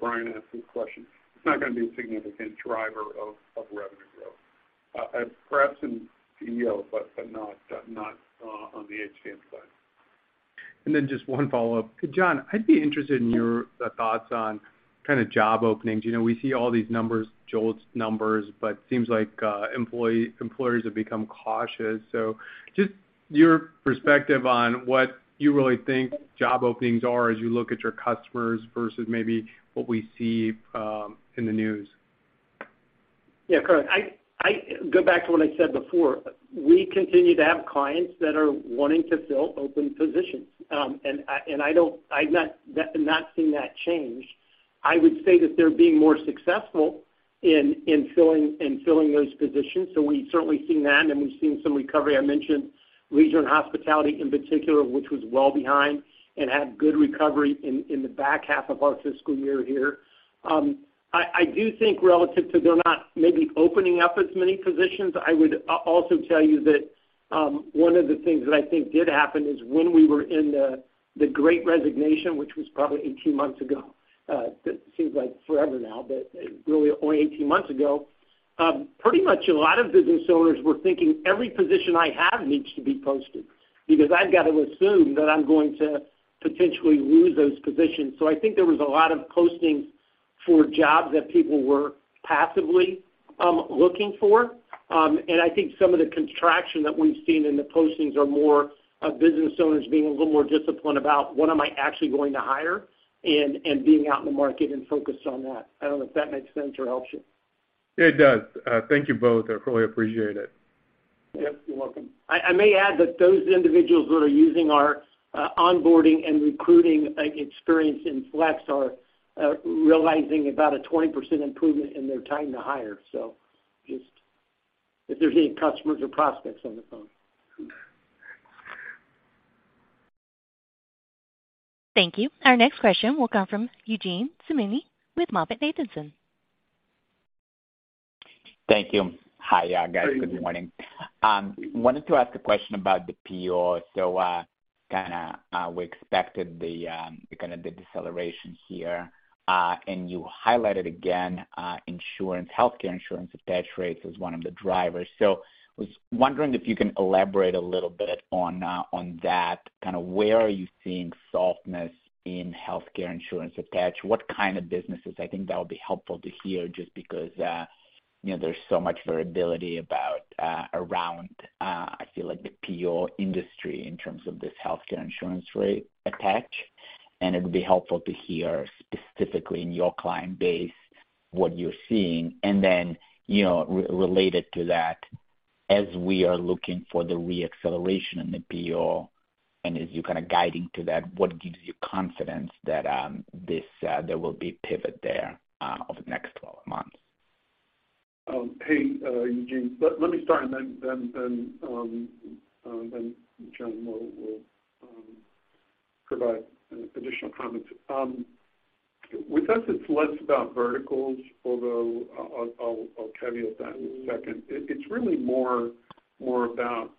Bryan asked this question, it's not gonna be a significant driver of revenue growth. Perhaps in PEO, but not on the HCM side. Just one follow-up. John, I'd be interested in your, the thoughts on kind of job openings. You know, we see all these numbers, JOLTS numbers, but seems like, employers have become cautious. Just your perspective on what you really think job openings are as you look at your customers versus maybe what we see in the news. Yeah, Kartik, I go back to what I said before: We continue to have clients that are wanting to fill open positions. I've not seen that change. I would say that they're being more successful in filling those positions. We've certainly seen that, and we've seen some recovery. I mentioned leisure and hospitality in particular, which was well behind and had good recovery in the back half of our fiscal year here. I do think relative to they're not maybe opening up as many positions, I would also tell you that, one of the things that I think did happen is when we were in the great resignation, which was probably 18 months ago, that seems like forever now, but really only 18 months ago, pretty much a lot of business owners were thinking, "Every position I have needs to be posted, because I've got to assume that I'm going to potentially lose those positions." I think there was a lot of postings for jobs that people were passively, looking for. I think some of the contraction that we've seen in the postings are more of business owners being a little more disciplined about what am I actually going to hire, and being out in the market and focused on that. I don't know if that makes sense or helps you. It does. Thank you both. I really appreciate it. Yep, you're welcome. I may add that those individuals that are using our onboarding and recruiting, like, experience in Flex are realizing about a 20% improvement in their time to hire. Just if there's any customers or prospects on the phone. Thank you. Our next question will come from Eugene Simuni with MoffettNathanson. Thank you. Hi, guys. Good morning. Wanted to ask a question about the PEO. Kinda we expected the kind of the deceleration here, and you highlighted again insurance, healthcare insurance attach rates as one of the drivers. I was wondering if you can elaborate a little bit on that. Kind of where are you seeing softness in healthcare insurance attach? What kind of businesses? I think that would be helpful to hear just because you know, there's so much variability about around I feel like the PEO industry in terms of this healthcare insurance rate attach, and it would be helpful to hear specifically in your client base, what you're seeing. You know, related to that, as we are looking for the re-acceleration in the PEO, and as you're kind of guiding to that, what gives you confidence that this there will be pivot there over the next 12 months? Hey, Eugene. Let me start, and then John will provide any additional comments. With us, it's less about verticals, although I'll caveat that in a second. It's really more about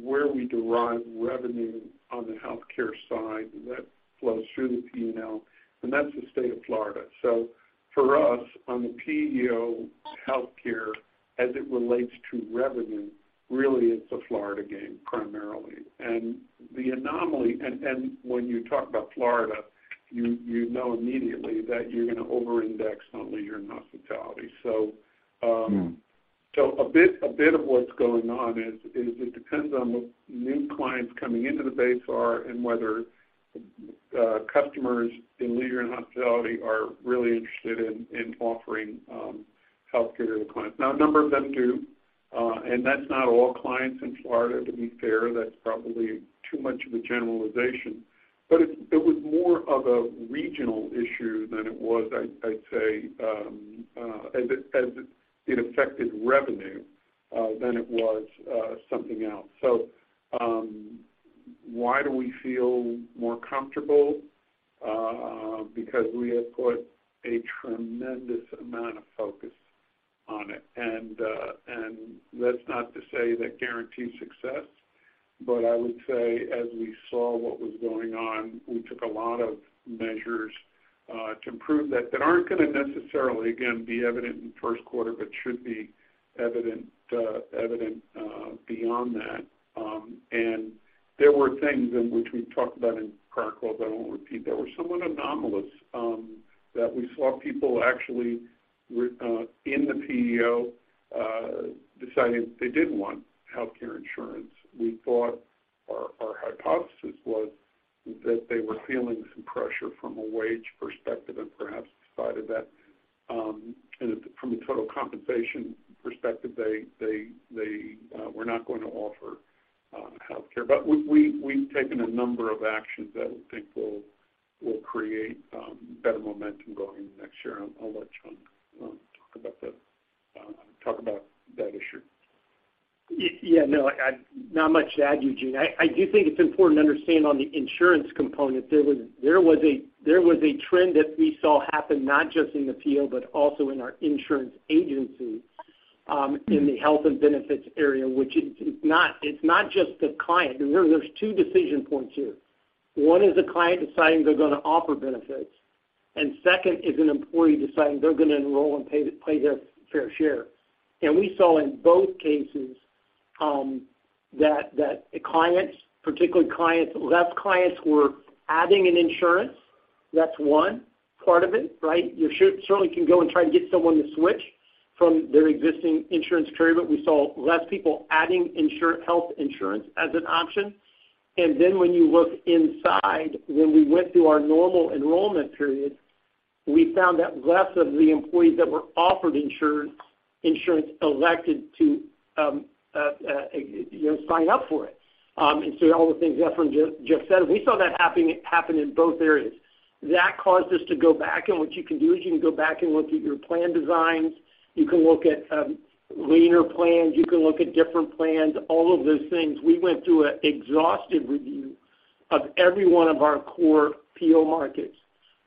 where we derive revenue on the healthcare side, and that flows through the P&L, and that's the state of Florida. For us, on the PEO healthcare, as it relates to revenue, really, it's a Florida game, primarily. The anomaly. When you talk about Florida, you know immediately that you're gonna overindex on leisure and hospitality. So. Hmm. A bit of what's going on is it depends on what new clients coming into the base are and whether customers in leisure and hospitality are really interested in offering healthcare to the clients. Now, a number of them do. And that's not all clients in Florida, to be fair, that's probably too much of a generalization. It was more of a regional issue than it was, I'd say, as it affected revenue than it was something else. Why do we feel more comfortable? Because we have put a tremendous amount of focus on it. That's not to say that guarantees success, but I would say as we saw what was going on, we took a lot of measures to prove that aren't gonna necessarily, again, be evident in the first quarter, but should be evident beyond that. There were things in which we've talked about in prior calls, I won't repeat, that were somewhat anomalous that we saw people actually in the PEO deciding they didn't want healthcare insurance. We thought our hypothesis was that they were feeling some pressure from a wage perspective and perhaps decided that, and from a total compensation perspective, they were not going to offer healthcare. We've taken a number of actions that I think will create better momentum going into next year. I'll let John talk about that issue. Yeah, no, not much to add, Eugene. I do think it's important to understand on the insurance component, there was a trend that we saw happen not just in the PEO, but also in our insurance agency, in the health and benefits area, which it's not just the client. There's two decision points here: One is the client deciding they're gonna offer benefits, and second is an employee deciding they're gonna enroll and pay their fair share. We saw in both cases, that the clients, particularly clients, less clients were adding insurance. That's one part of it, right. You certainly can go and try to get someone to switch from their existing insurance carrier, but we saw less people adding health insurance as an option. When you look inside, when we went through our normal enrollment period, we found that less of the employees that were offered insurance elected to, you know, sign up for it. All the things Efrain just said, we saw that happen in both areas. That caused us to go back, what you can do is you can go back and look at your plan designs, you can look at leaner plans, you can look at different plans, all of those things. We went through a exhaustive review of every one of our core PEO markets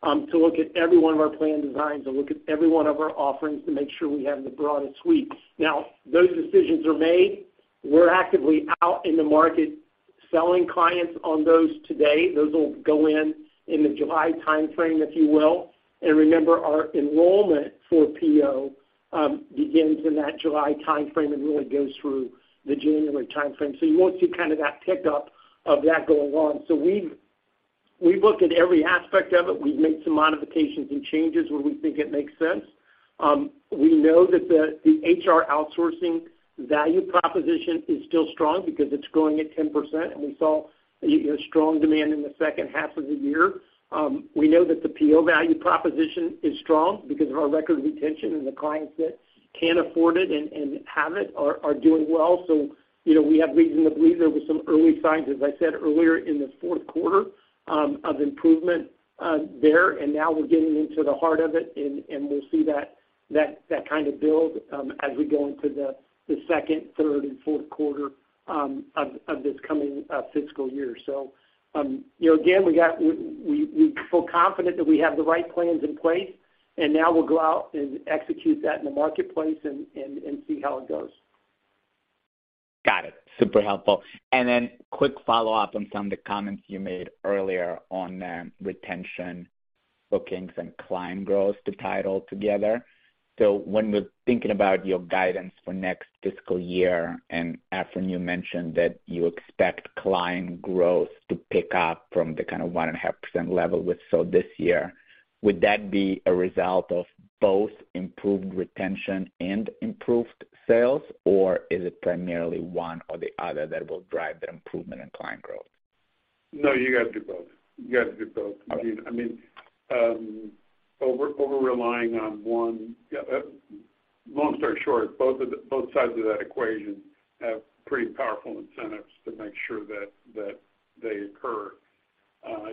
to look at every one of our plan designs, to look at every one of our offerings to make sure we have the broadest suite. Those decisions are made. We're actively out in the market selling clients on those today. Those will go in the July timeframe, if you will. Remember, our enrollment for PO begins in that July timeframe and really goes through the January timeframe. You won't see kind of that pickup of that going on. We've looked at every aspect of it. We've made some modifications and changes where we think it makes sense. We know that the HR outsourcing value proposition is still strong because it's growing at 10%, and we saw, you know, strong demand in the second half of the year. We know that the PO value proposition is strong because of our record retention and the clients that can afford it and have it are doing well. You know, we have reason to believe there were some early signs, as I said earlier, in the fourth quarter, of improvement, there. Now we're getting into the heart of it, and we'll see that kind of build, as we go into the second, third, and fourth quarter, of this coming, fiscal year. You know, again, we feel confident that we have the right plans in place, and now we'll go out and execute that in the marketplace and see how it goes. Got it. Super helpful. Quick follow-up on some of the comments you made earlier on, retention, bookings, and client growth, to tie it all together. When we're thinking about your guidance for next fiscal year, Efrain, you mentioned that you expect client growth to pick up from the kind of 1.5% level we saw this year, would that be a result of both improved retention and improved sales, or is it primarily one or the other that will drive the improvement in client growth? No, you got to do both. You got to do both, Eugene. Okay. I mean, over-relying on one. Long story short, both sides of that equation have pretty powerful incentives to make sure that they occur.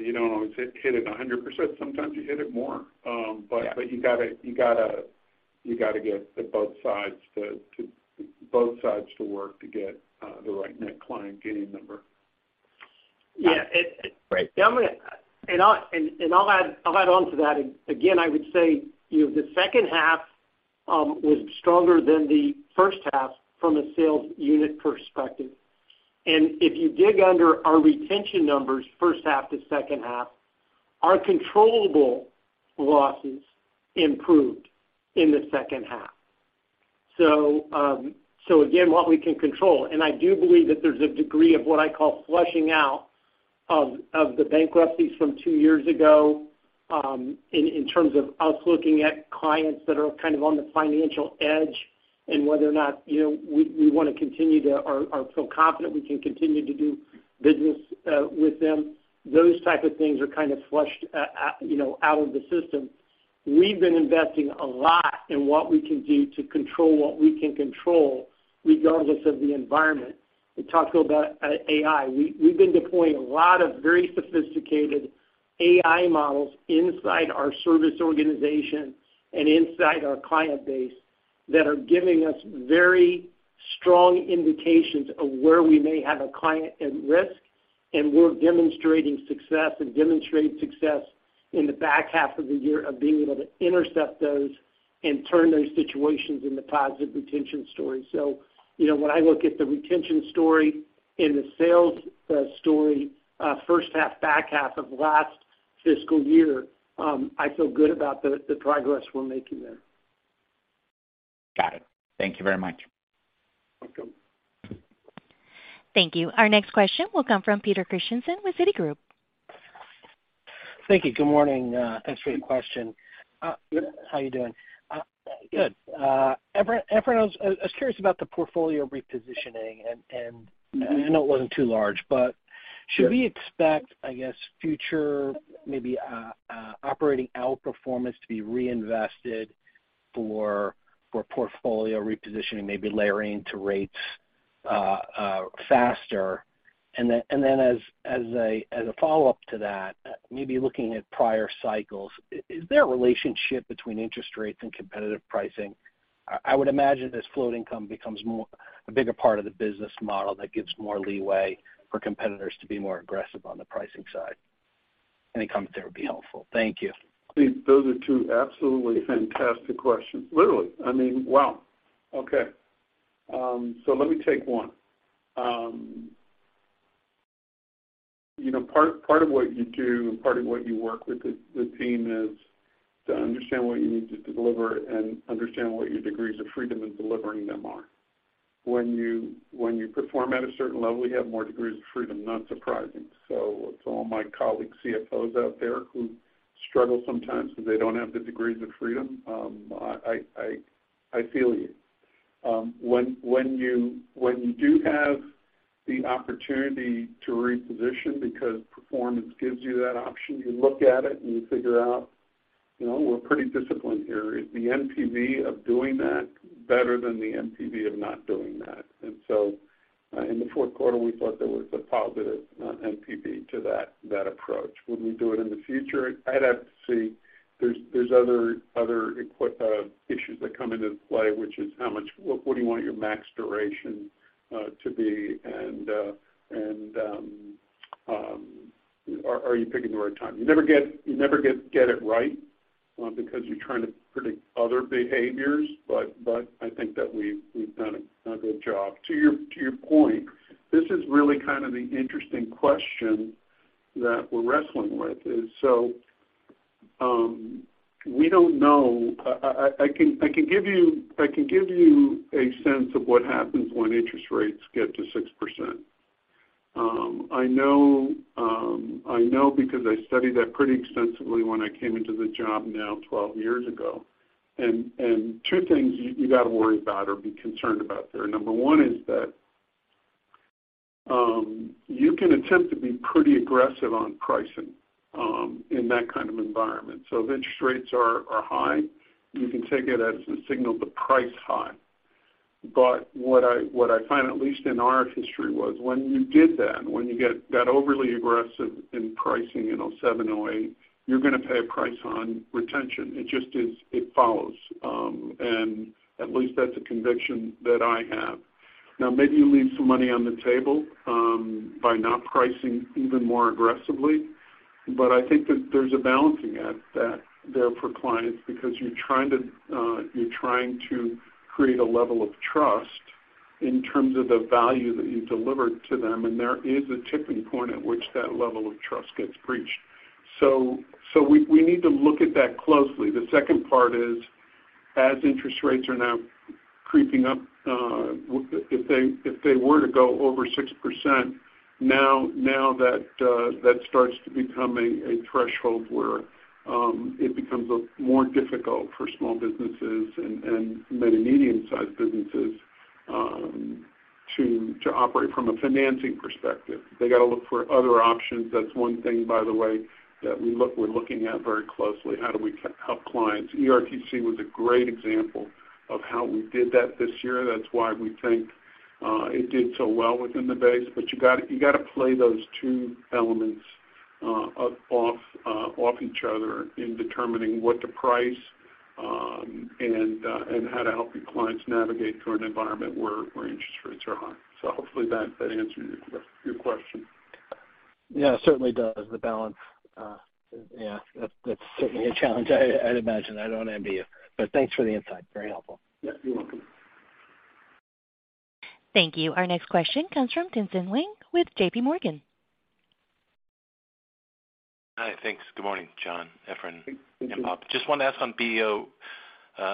You don't always hit it 100%, sometimes you hit it more. Yeah. You gotta get the both sides to work to get the right net client gaining number. Yeah, it. Great. I'll add on to that. Again, I would say, you know, the second half was stronger than the first half from a sales unit perspective. If you dig under our retention numbers, first half to second half, our controllable losses improved in the second half. Again, what we can control, and I do believe that there's a degree of what I call flushing out of the bankruptcies from 2 years ago in terms of us looking at clients that are kind of on the financial edge and whether or not, you know, we wanna continue to, or feel confident we can continue to do business with them. Those type of things are kind of flushed, you know, out of the system.... We've been investing a lot in what we can do to control what we can control, regardless of the environment. We talked about AI. We've been deploying a lot of very sophisticated AI models inside our service organization and inside our client base that are giving us very strong indications of where we may have a client at risk, and we're demonstrating success and demonstrate success in the back half of the year of being able to intercept those and turn those situations into positive retention stories. You know, when I look at the retention story and the sales story, first half, back half of last fiscal year, I feel good about the progress we're making there. Got it. Thank you very much. Welcome. Thank you. Our next question will come from Peter Christensen with Citigroup. Thank you. Good morning. Thanks for the question. How you doing? Good. Efrain, I was curious about the portfolio repositioning, and. Mm-hmm. I know it wasn't too large, but... Yes. Should we expect, I guess, future maybe, operating outperformance to be reinvested for portfolio repositioning, maybe layering to rates faster? Then as a follow-up to that, maybe looking at prior cycles, is there a relationship between interest rates and competitive pricing? I would imagine as floating income becomes a bigger part of the business model, that gives more leeway for competitors to be more aggressive on the pricing side. Any comment there would be helpful. Thank you. Pete, those are two absolutely fantastic questions. Literally, I mean, wow! Okay. Let me take one. You know, part of what you do and part of what you work with the team is to understand what you need to deliver and understand what your degrees of freedom in delivering them are. When you perform at a certain level, you have more degrees of freedom, not surprising. To all my colleague CFOs out there who struggle sometimes because they don't have the degrees of freedom, I feel you. When you do have the opportunity to reposition because performance gives you that option, you look at it, and you figure out, you know, we're pretty disciplined here. Is the NPV of doing that better than the NPV of not doing that? In the fourth quarter, we thought there was a positive NPV to that approach. Would we do it in the future? I'd have to see. There's other issues that come into play, which is what do you want your max duration to be? Are you picking the right time? You never get it right because you're trying to predict other behaviors, but I think that we've done a good job. To your point, this is really kind of the interesting question that we're wrestling with is so we don't know... I can give you a sense of what happens when interest rates get to 6%. I know, I know because I studied that pretty extensively when I came into the job now 12 years ago. Two things you gotta worry about or be concerned about there. Number 1 is that, you can attempt to be pretty aggressive on pricing, in that kind of environment. If interest rates are high, you can take it as a signal to price high. What I find, at least in our history, was when you did that, when you get that overly aggressive in pricing, you know, seven or eight, you're gonna pay a price on retention. It just is. It follows. At least that's a conviction that I have. Maybe you leave some money on the table by not pricing even more aggressively, but I think that there's a balancing act that there for clients because you're trying to create a level of trust in terms of the value that you deliver to them, and there is a tipping point at which that level of trust gets breached. We need to look at that closely. The second part is, as interest rates are now creeping up, if they were to go over 6%, now that starts to become a threshold where it becomes more difficult for small businesses and many medium-sized businesses to operate from a financing perspective. They gotta look for other options. That's one thing, by the way, that we're looking at very closely. How do we help clients? ERTC was a great example of how we did that this year. That's why we think it did so well within the base. You gotta play those two elements off each other in determining what to price, and how to help your clients navigate through an environment where interest rates are high. Hopefully that answered your question. Yeah, it certainly does. The balance, yeah, that's certainly a challenge. I'd imagine. I don't envy you. Thanks for the insight. Very helpful. Yeah, you're welcome. Thank you. Our next question comes from Tien-Tsin Huang with JPMorgan. Hi. Thanks. Good morning, John, Efrain. Thank you. Bob. Just wanted to ask on PEO.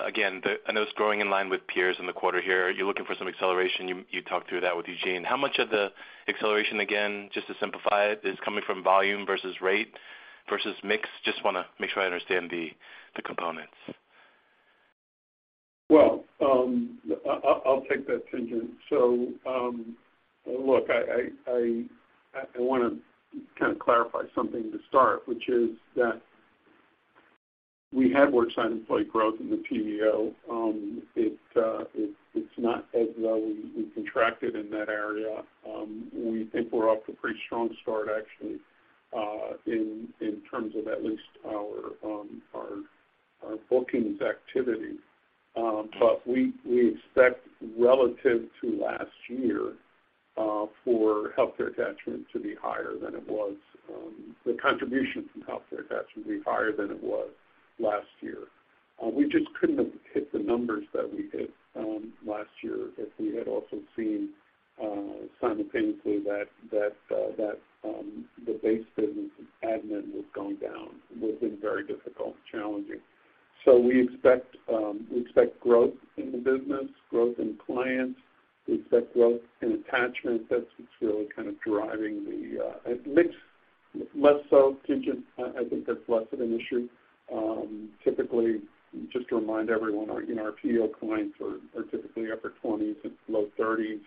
Again, I know it's growing in line with peers in the quarter here. You're looking for some acceleration. You talked through that with Eugene. How much of the acceleration, again, just to simplify it, is coming from volume versus rate versus mix? Just wanna make sure I understand the components. I'll take that, Tien-Tsin. Look, I wanna kind of clarify something to start, which is that we have worked on employee growth in the PEO. It's not as though we contracted in that area. We think we're off to a pretty strong start actually, in terms of at least our bookings activity. We expect relative to last year, for healthcare attachment to be higher than it was, the contribution from healthcare attachment to be higher than it was last year. We just couldn't have hit the numbers that we hit, last year if we had also seen, simultaneously that, the base business in admin was going down. It would've been very difficult and challenging. We expect growth in the business, growth in clients. We expect growth in attachment. That's what's really kind of driving the a mix, less so, Tien-Tsin, I think that's less of an issue. Typically, just to remind everyone, our, you know, our PEO clients are typically upper 20s, it's low 30s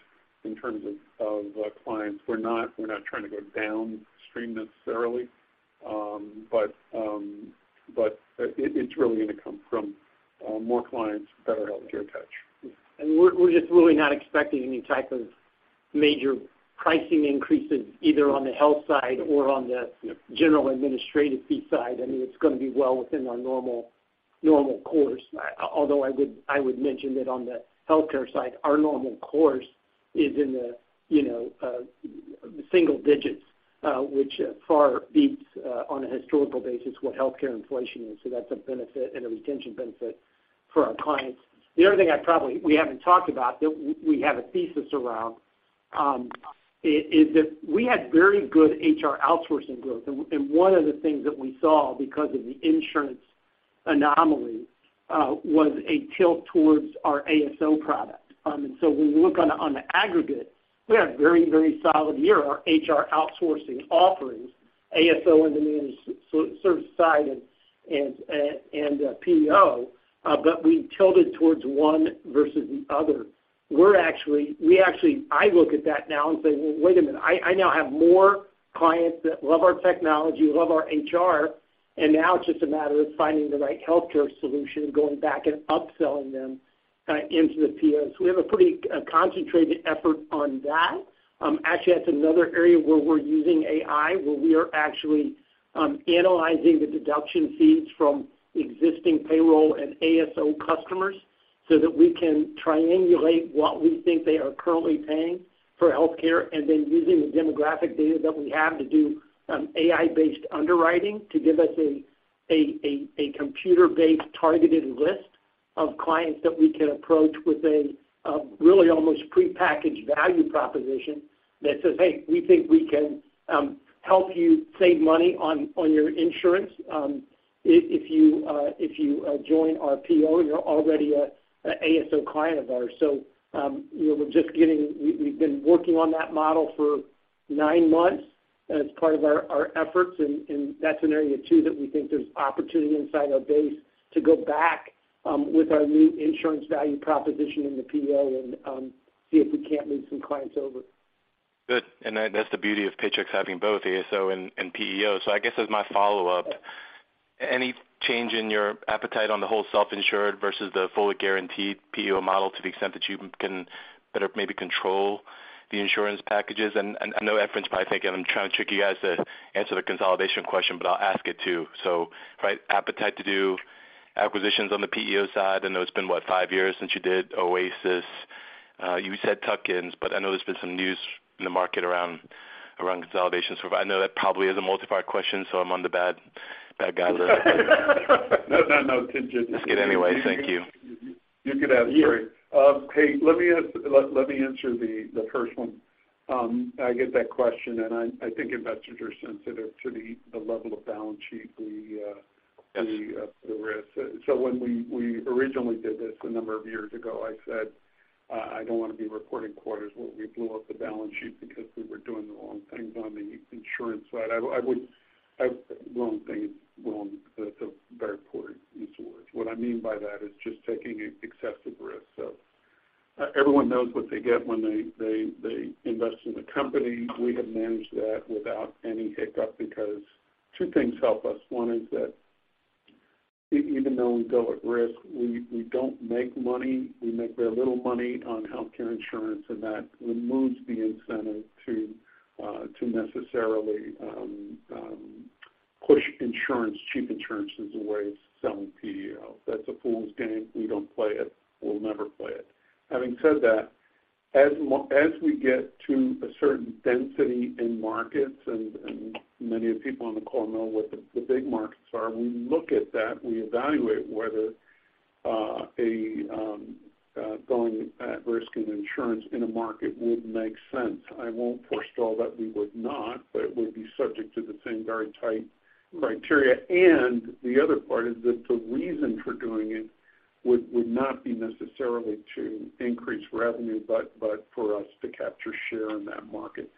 in terms of clients. We're not trying to go downstream necessarily. But it's really gonna come from more clients, better healthcare attach. We're just really not expecting any type of major pricing increases, either on the health side or on the general administrative fee side. I mean, it's gonna be well within our normal course. Although I would mention that on the healthcare side, our normal course is in the, you know, the single digits, which far beats on a historical basis what healthcare inflation is. That's a benefit and a retention benefit for our clients. The other thing we haven't talked about, that we have a thesis around, is that we had very good HR outsourcing growth. One of the things that we saw because of the insurance anomaly was a tilt towards our ASO product. When we look on a, on the aggregate, we had a very, very solid year, our HR outsourcing offerings, ASO on the managed service side and PEO, we tilted towards one versus the other. I look at that now and say, "Well, wait a minute, I now have more clients that love our technology, love our HR, and now it's just a matter of finding the right healthcare solution and going back and upselling them kind of into the PEO." We have a pretty concentrated effort on that. Actually, that's another area where we're using AI, where we are actually analyzing the deduction fees from existing payroll and ASO customers, so that we can triangulate what we think they are currently paying for healthcare, and then using the demographic data that we have to do AI-based underwriting to give us a computer-based targeted list of clients that we can approach with a really almost prepackaged value proposition that says, "Hey, we think we can help you save money on your insurance, if you join our PEO, you're already an ASO client of ours." You know, we've been working on that model for nine months as part of our efforts. That's an area too, that we think there's opportunity inside our base to go back, with our new insurance value proposition in the PEO and, see if we can't move some clients over. Good. That's the beauty of Paychex having both ASO and PEO. I guess as my follow-up, any change in your appetite on the whole self-insured versus the fully guaranteed PEO model to the extent that you can better maybe control the insurance packages? I know everyone's probably thinking I'm trying to trick you guys to answer the consolidation question, but I'll ask it too. Right, appetite to do acquisitions on the PEO side? I know it's been, what, 5 years since you did Oasis. You said tuck-ins, but I know there's been some news in the market around consolidation. I know that probably is a multi-part question, so I'm on the bad guy list. No, no, Tien-Tsin... Anyway, thank you. You could ask, sorry. hey, let me answer the first one. I get that question, and I think investors are sensitive to the level of balance sheet. Yes ... the risk. When we originally did this a number of years ago, I said, "I don't wanna be reporting quarters where we blew up the balance sheet because we were doing the wrong things on the insurance side." I would, wrong things, wrong, very poor use of words. What I mean by that is just taking excessive risk. Everyone knows what they get when they invest in the company. We have managed that without any hiccup because two things help us. One is that even though we go at risk, we don't make money, we make very little money on healthcare insurance, and that removes the incentive to necessarily push insurance, cheap insurance as a way of selling PEO. That's a fool's game. We don't play it. We'll never play it. Having said that, as we get to a certain density in markets, and many of the people on the call know what the big markets are, we look at that, we evaluate whether a going at risk in insurance in a market would make sense. I won't forestall that we would not, but it would be subject to the same very tight criteria. The other part is that the reason for doing it would not be necessarily to increase revenue, but for us to capture share in that market.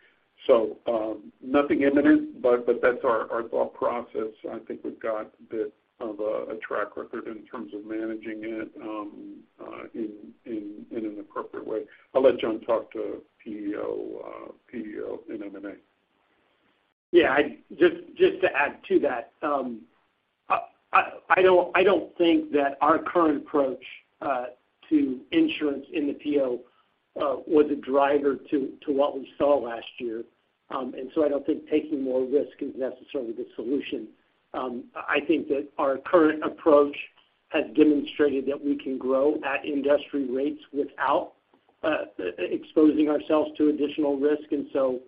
Nothing imminent, but that's our thought process. I think we've got a track record in terms of managing it in an appropriate way. I'll let John talk to PEO and M&A. Yeah, I just to add to that, I don't think that our current approach to insurance in the PEO was a driver to what we saw last year. I don't think taking more risk is necessarily the solution. I think that our current approach has demonstrated that we can grow at industry rates without exposing ourselves to additional risk. To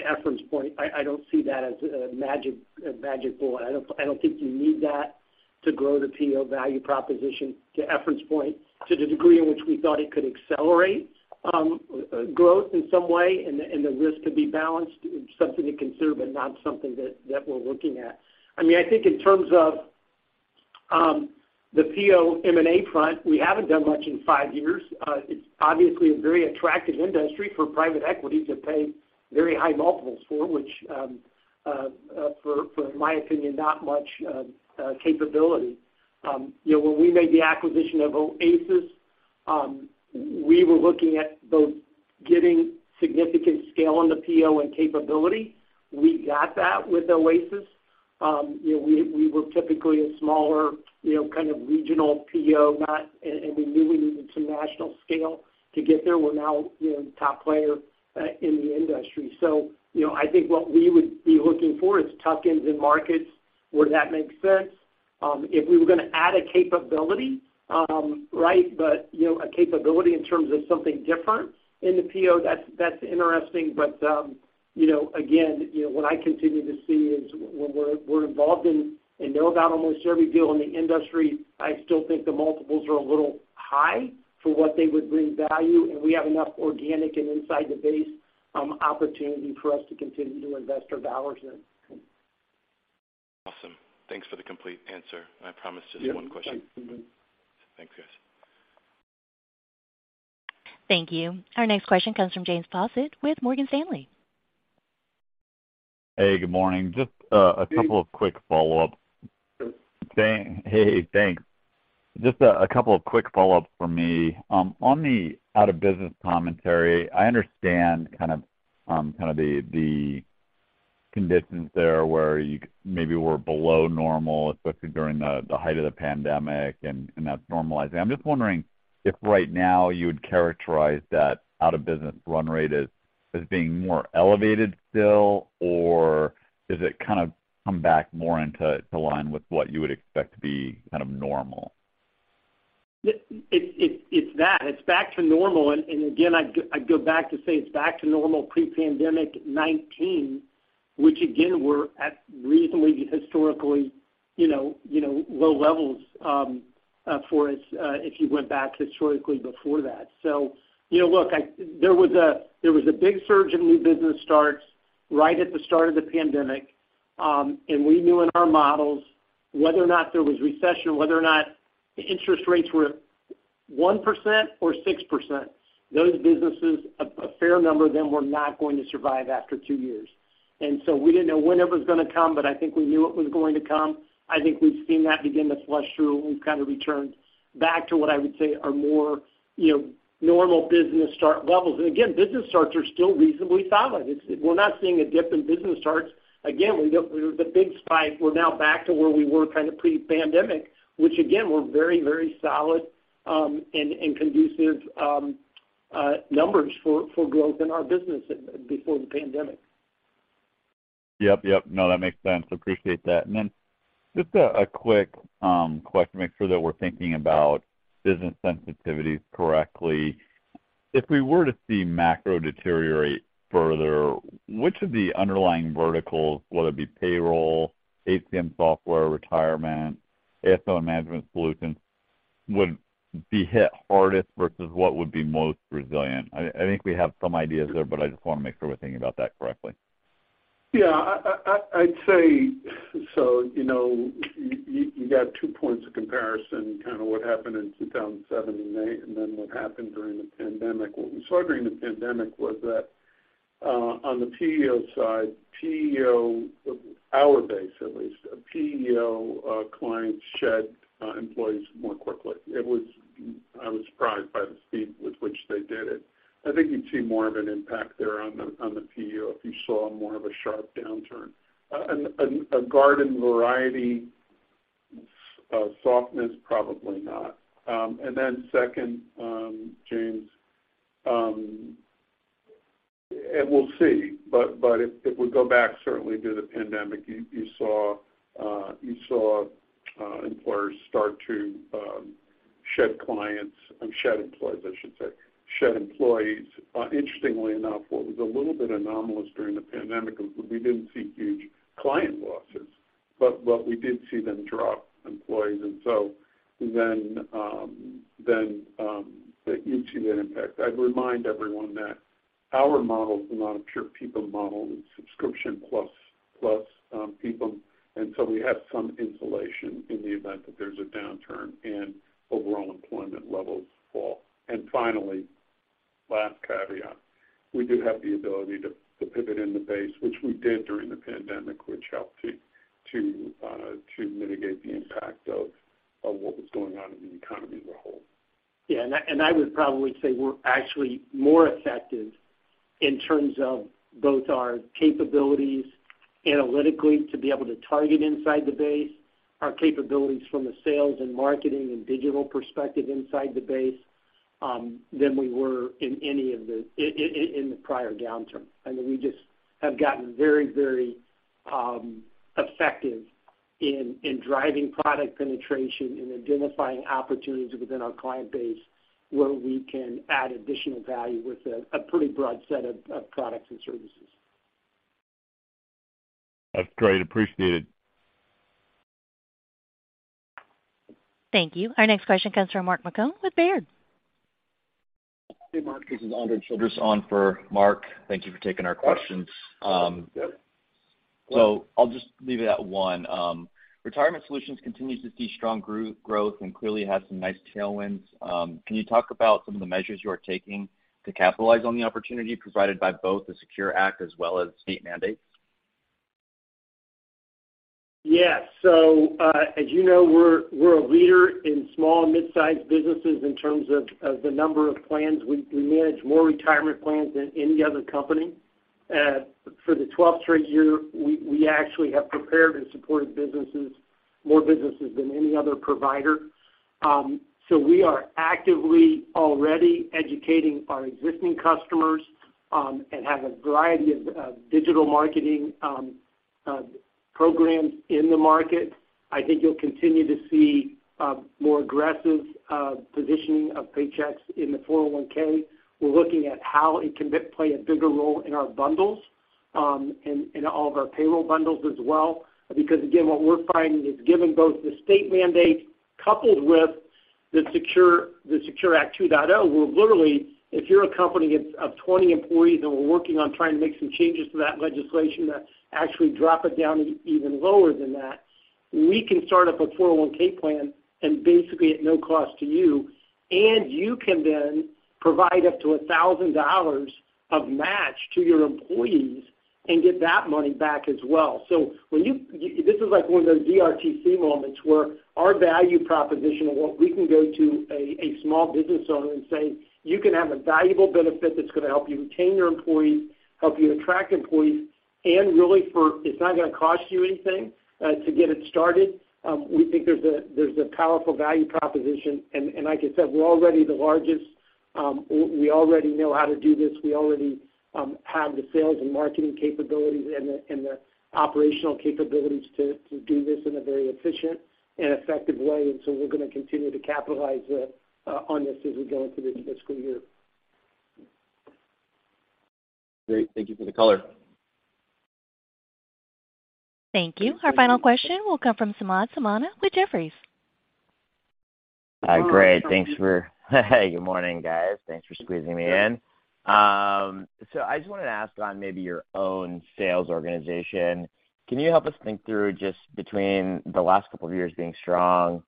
Efrain's point, I don't see that as a magic bullet. I don't think you need that to grow the PEO value proposition, to Efrain's point, to the degree in which we thought it could accelerate growth in some way, and the risk could be balanced. It's something to consider, but not something that we're looking at. I mean, I think in terms of the PEO M&A front, we haven't done much in five years. It's obviously a very attractive industry for private equity to pay very high multiples for which for my opinion, not much capability. You know, when we made the acquisition of Oasis, we were looking at both getting significant scale on the PEO and capability. We got that with Oasis. You know, we were typically a smaller, you know, kind of regional PEO, and we knew we needed some national scale to get there. We're now, you know, the top player in the industry. You know, I think what we would be looking for is tuck-ins in markets where that makes sense. If we were gonna add a capability, right, but, you know, a capability in terms of something different in the PEO, that's interesting. You know, again, you know, what I continue to see is when we're involved in know about almost every deal in the industry, I still think the multiples are a little high for what they would bring value, and we have enough organic and inside the base, opportunity for us to continue to invest our dollars in. Awesome. Thanks for the complete answer. I promise just one question. Yeah, thank you. Thanks, guys. Thank you. Our next question comes from James Faucette with Morgan Stanley. Hey, good morning. Just a couple of quick follow-ups. Hey, thanks. Just a couple of quick follow-ups for me. On the out-of-business commentary, I understand kind of, kind of the conditions there, where you maybe were below normal, especially during the height of the pandemic, and that's normalizing. I'm just wondering if right now you would characterize that out-of-business run rate as being more elevated still, or has it kind of come back more into line with what you would expect to be kind of normal? It's that. It's back to normal. Again, I'd go back to say it's back to normal pre-pandemic 19, which again, we're at reasonably historically, you know, low levels for us, if you went back historically before that. You know, look, there was a big surge in new business starts right at the start of the pandemic. We knew in our models whether or not there was recession, whether or not interest rates were 1% or 6%, those businesses, a fair number of them were not going to survive after two years. We didn't know when it was gonna come, but I think we knew it was going to come. I think we've seen that begin to flush through. We've kind of returned back to what I would say are more, you know, normal business start levels. Again, business starts are still reasonably solid. We're not seeing a dip in business starts. Again, we got the big spike. We're now back to where we were kind of pre-pandemic, which again, were very, very solid, and conducive numbers for growth in our business before the pandemic. Yep, yep. No, that makes sense. Appreciate that. Just a quick question to make sure that we're thinking about business sensitivities correctly. If we were to see macro deteriorate further, which of the underlying verticals, whether it be payroll, HCM software, retirement, ASO and Management Solutions, would be hit hardest versus what would be most resilient? I think we have some ideas there, but I just want to make sure we're thinking about that correctly. Yeah, I'd say so, you know, you got two points of comparison, kind of what happened in 2007 and 2008, and then what happened during the pandemic. What we saw during the pandemic was that on the PEO side, PEO, our base at least, PEO clients shed employees more quickly. It was I was surprised by the speed with which they did it. I think you'd see more of an impact there on the PEO if you saw more of a sharp downturn. A garden variety softness, probably not. Second, James, and we'll see, but if we go back, certainly to the pandemic, you saw employers start to shed clients, I should say, shed employees. Interestingly enough, what was a little bit anomalous during the pandemic is we didn't see huge client losses, but we did see them drop employees. Then you'd see that impact. I'd remind everyone that our model is not a pure people model, it's subscription plus, people, and so we have some insulation in the event that there's a downturn and overall employment levels fall. Finally, last caveat, we do have the ability to pivot in the base, which we did during the pandemic, which helped to mitigate the impact of what was going on in the economy as a whole. I would probably say we're actually more effective in terms of both our capabilities analytically, to be able to target inside the base, our capabilities from a sales and marketing and digital perspective inside the base, than we were in any of the in the prior downturn. I mean, we just have gotten very effective in driving product penetration and identifying opportunities within our client base, where we can add additional value with a pretty broad set of products and services. That's great. Appreciated. Thank you. Our next question comes from Mark Marcon with Baird. Hey, Mark, this is Andre Childress on for Mark. Thank you for taking our questions. I'll just leave it at one. Retirement Solutions continues to see strong growth and clearly has some nice tailwinds. Can you talk about some of the measures you are taking to capitalize on the opportunity provided by both the Secure Act as well as state mandates? Yes. As you know, we're a leader in small and mid-sized businesses in terms of the number of plans. We manage more retirement plans than any other company. For the 12th straight year, we actually have prepared and supported businesses, more businesses than any other provider. We are actively already educating our existing customers and have a variety of digital marketing programs in the market. I think you'll continue to see more aggressive positioning of Paychex in the 401(k). We're looking at how it can play a bigger role in our bundles, in all of our payroll bundles as well. Again, what we're finding is, given both the state mandate coupled with the SECURE 2.0 Act, where literally, if you're a company of 20 employees and we're working on trying to make some changes to that legislation that actually drop it down even lower than that, we can start up a 401(k) plan and basically at no cost to you, and you can then provide up to $1,000 of match to your employees and get that money back as well. When this is like one of those ERTC moments where our value proposition, where we can go to a small business owner and say, "You can have a valuable benefit that's going to help you retain your employees, help you attract employees, and really for... It's not going to cost you anything, to get it started. We think there's a powerful value proposition, and like I said, we're already the largest. We already know how to do this. We already have the sales and marketing capabilities and the operational capabilities to do this in a very efficient and effective way. We're going to continue to capitalize on this as we go into this fiscal year. Great. Thank you for the color. Thank you. Our final question will come from Samad Samana with Jefferies. Great. Good morning, guys. Thanks for squeezing me in. I just wanted to ask on maybe your own sales organization, can you help us think through just between the last couple of years being strong and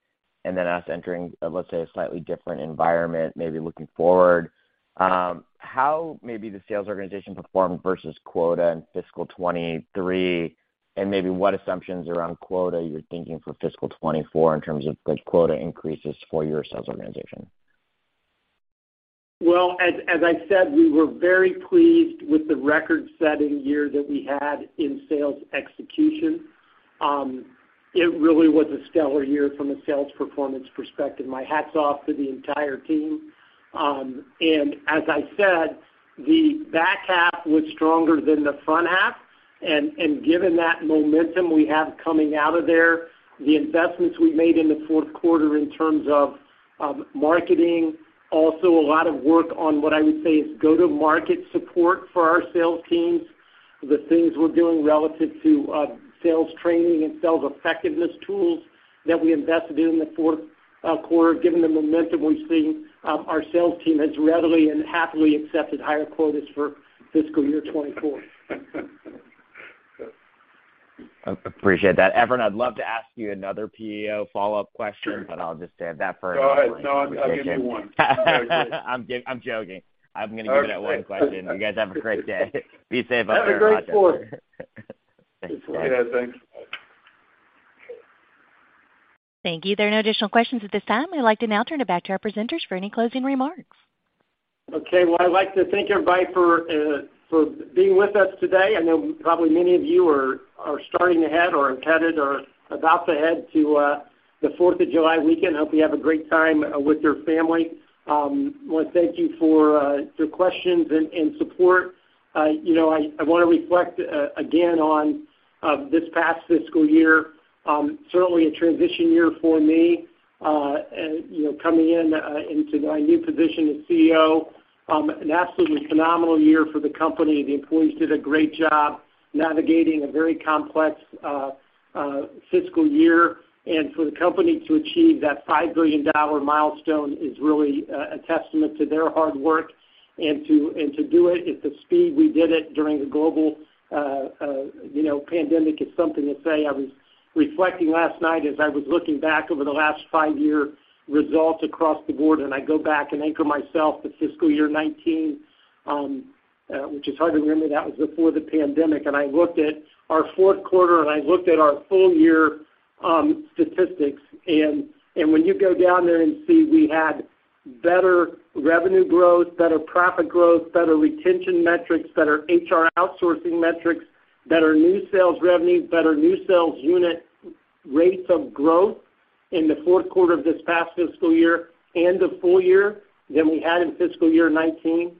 then us entering, let's say, a slightly different environment, maybe looking forward, how maybe the sales organization performed versus quota in fiscal 2023, and maybe what assumptions around quota you're thinking for fiscal 2024 in terms of like quota increases for your sales organization? Well, as I said, we were very pleased with the record-setting year that we had in sales execution. It really was a stellar year from a sales performance perspective. My hat's off to the entire team. As I said, the back half was stronger than the front half. Given that momentum we have coming out of there, the investments we made in the fourth quarter in terms of marketing, also a lot of work on what I would say is go-to-market support for our sales teams, the things we're doing relative to sales training and sales effectiveness tools that we invested in the fourth quarter, given the momentum we've seen, our sales team has readily and happily accepted higher quotas for fiscal year 2024. Appreciate that. Efrain, I'd love to ask you another PEO follow-up question. Sure. I'll just save that for another time. Go ahead. No, I'll give you one. I'm joking. I'm going to give it one question. All right, thanks. You guys have a great day. Be safe out there. Have a great fourth! Thanks a lot. See you, thanks. Thank you. There are no additional questions at this time. We'd like to now turn it back to our presenters for any closing remarks. Okay. Well, I'd like to thank everybody for being with us today. I know probably many of you are starting to head, or are headed, or about to head to, the Fourth of July weekend. I hope you have a great time, with your family. I want to thank you for, your questions and support. You know, I want to reflect, again, on, this past fiscal year. Certainly a transition year for me, and, you know, coming in, into my new position as CEO. An absolutely phenomenal year for the company. The employees did a great job navigating a very complex, fiscal year. For the company to achieve that $5 billion milestone is really, a testament to their hard work. To do it at the speed we did it during the global, you know, pandemic is something to say. I was reflecting last night as I was looking back over the last 5-year results across the board, and I go back and anchor myself to fiscal year 19, which is hard to remember. That was before the pandemic. I looked at our fourth quarter, and I looked at our full year statistics, when you go down there and see we had better revenue growth, better profit growth, better retention metrics, better HR outsourcing metrics, better new sales revenues, better new sales unit rates of growth in the fourth quarter of this past fiscal year and the full year than we had in fiscal year 19.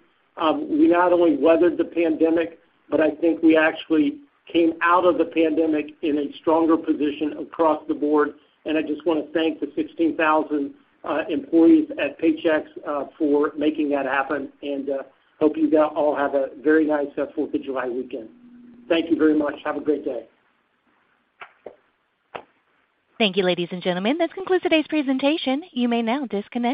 We not only weathered the pandemic, but I think we actually came out of the pandemic in a stronger position across the board. I just want to thank the 16,000 employees at Paychex for making that happen, and hope you all have a very nice Fourth of July weekend. Thank you very much. Have a great day. Thank you, ladies and gentlemen. That concludes today's presentation. You may now disconnect.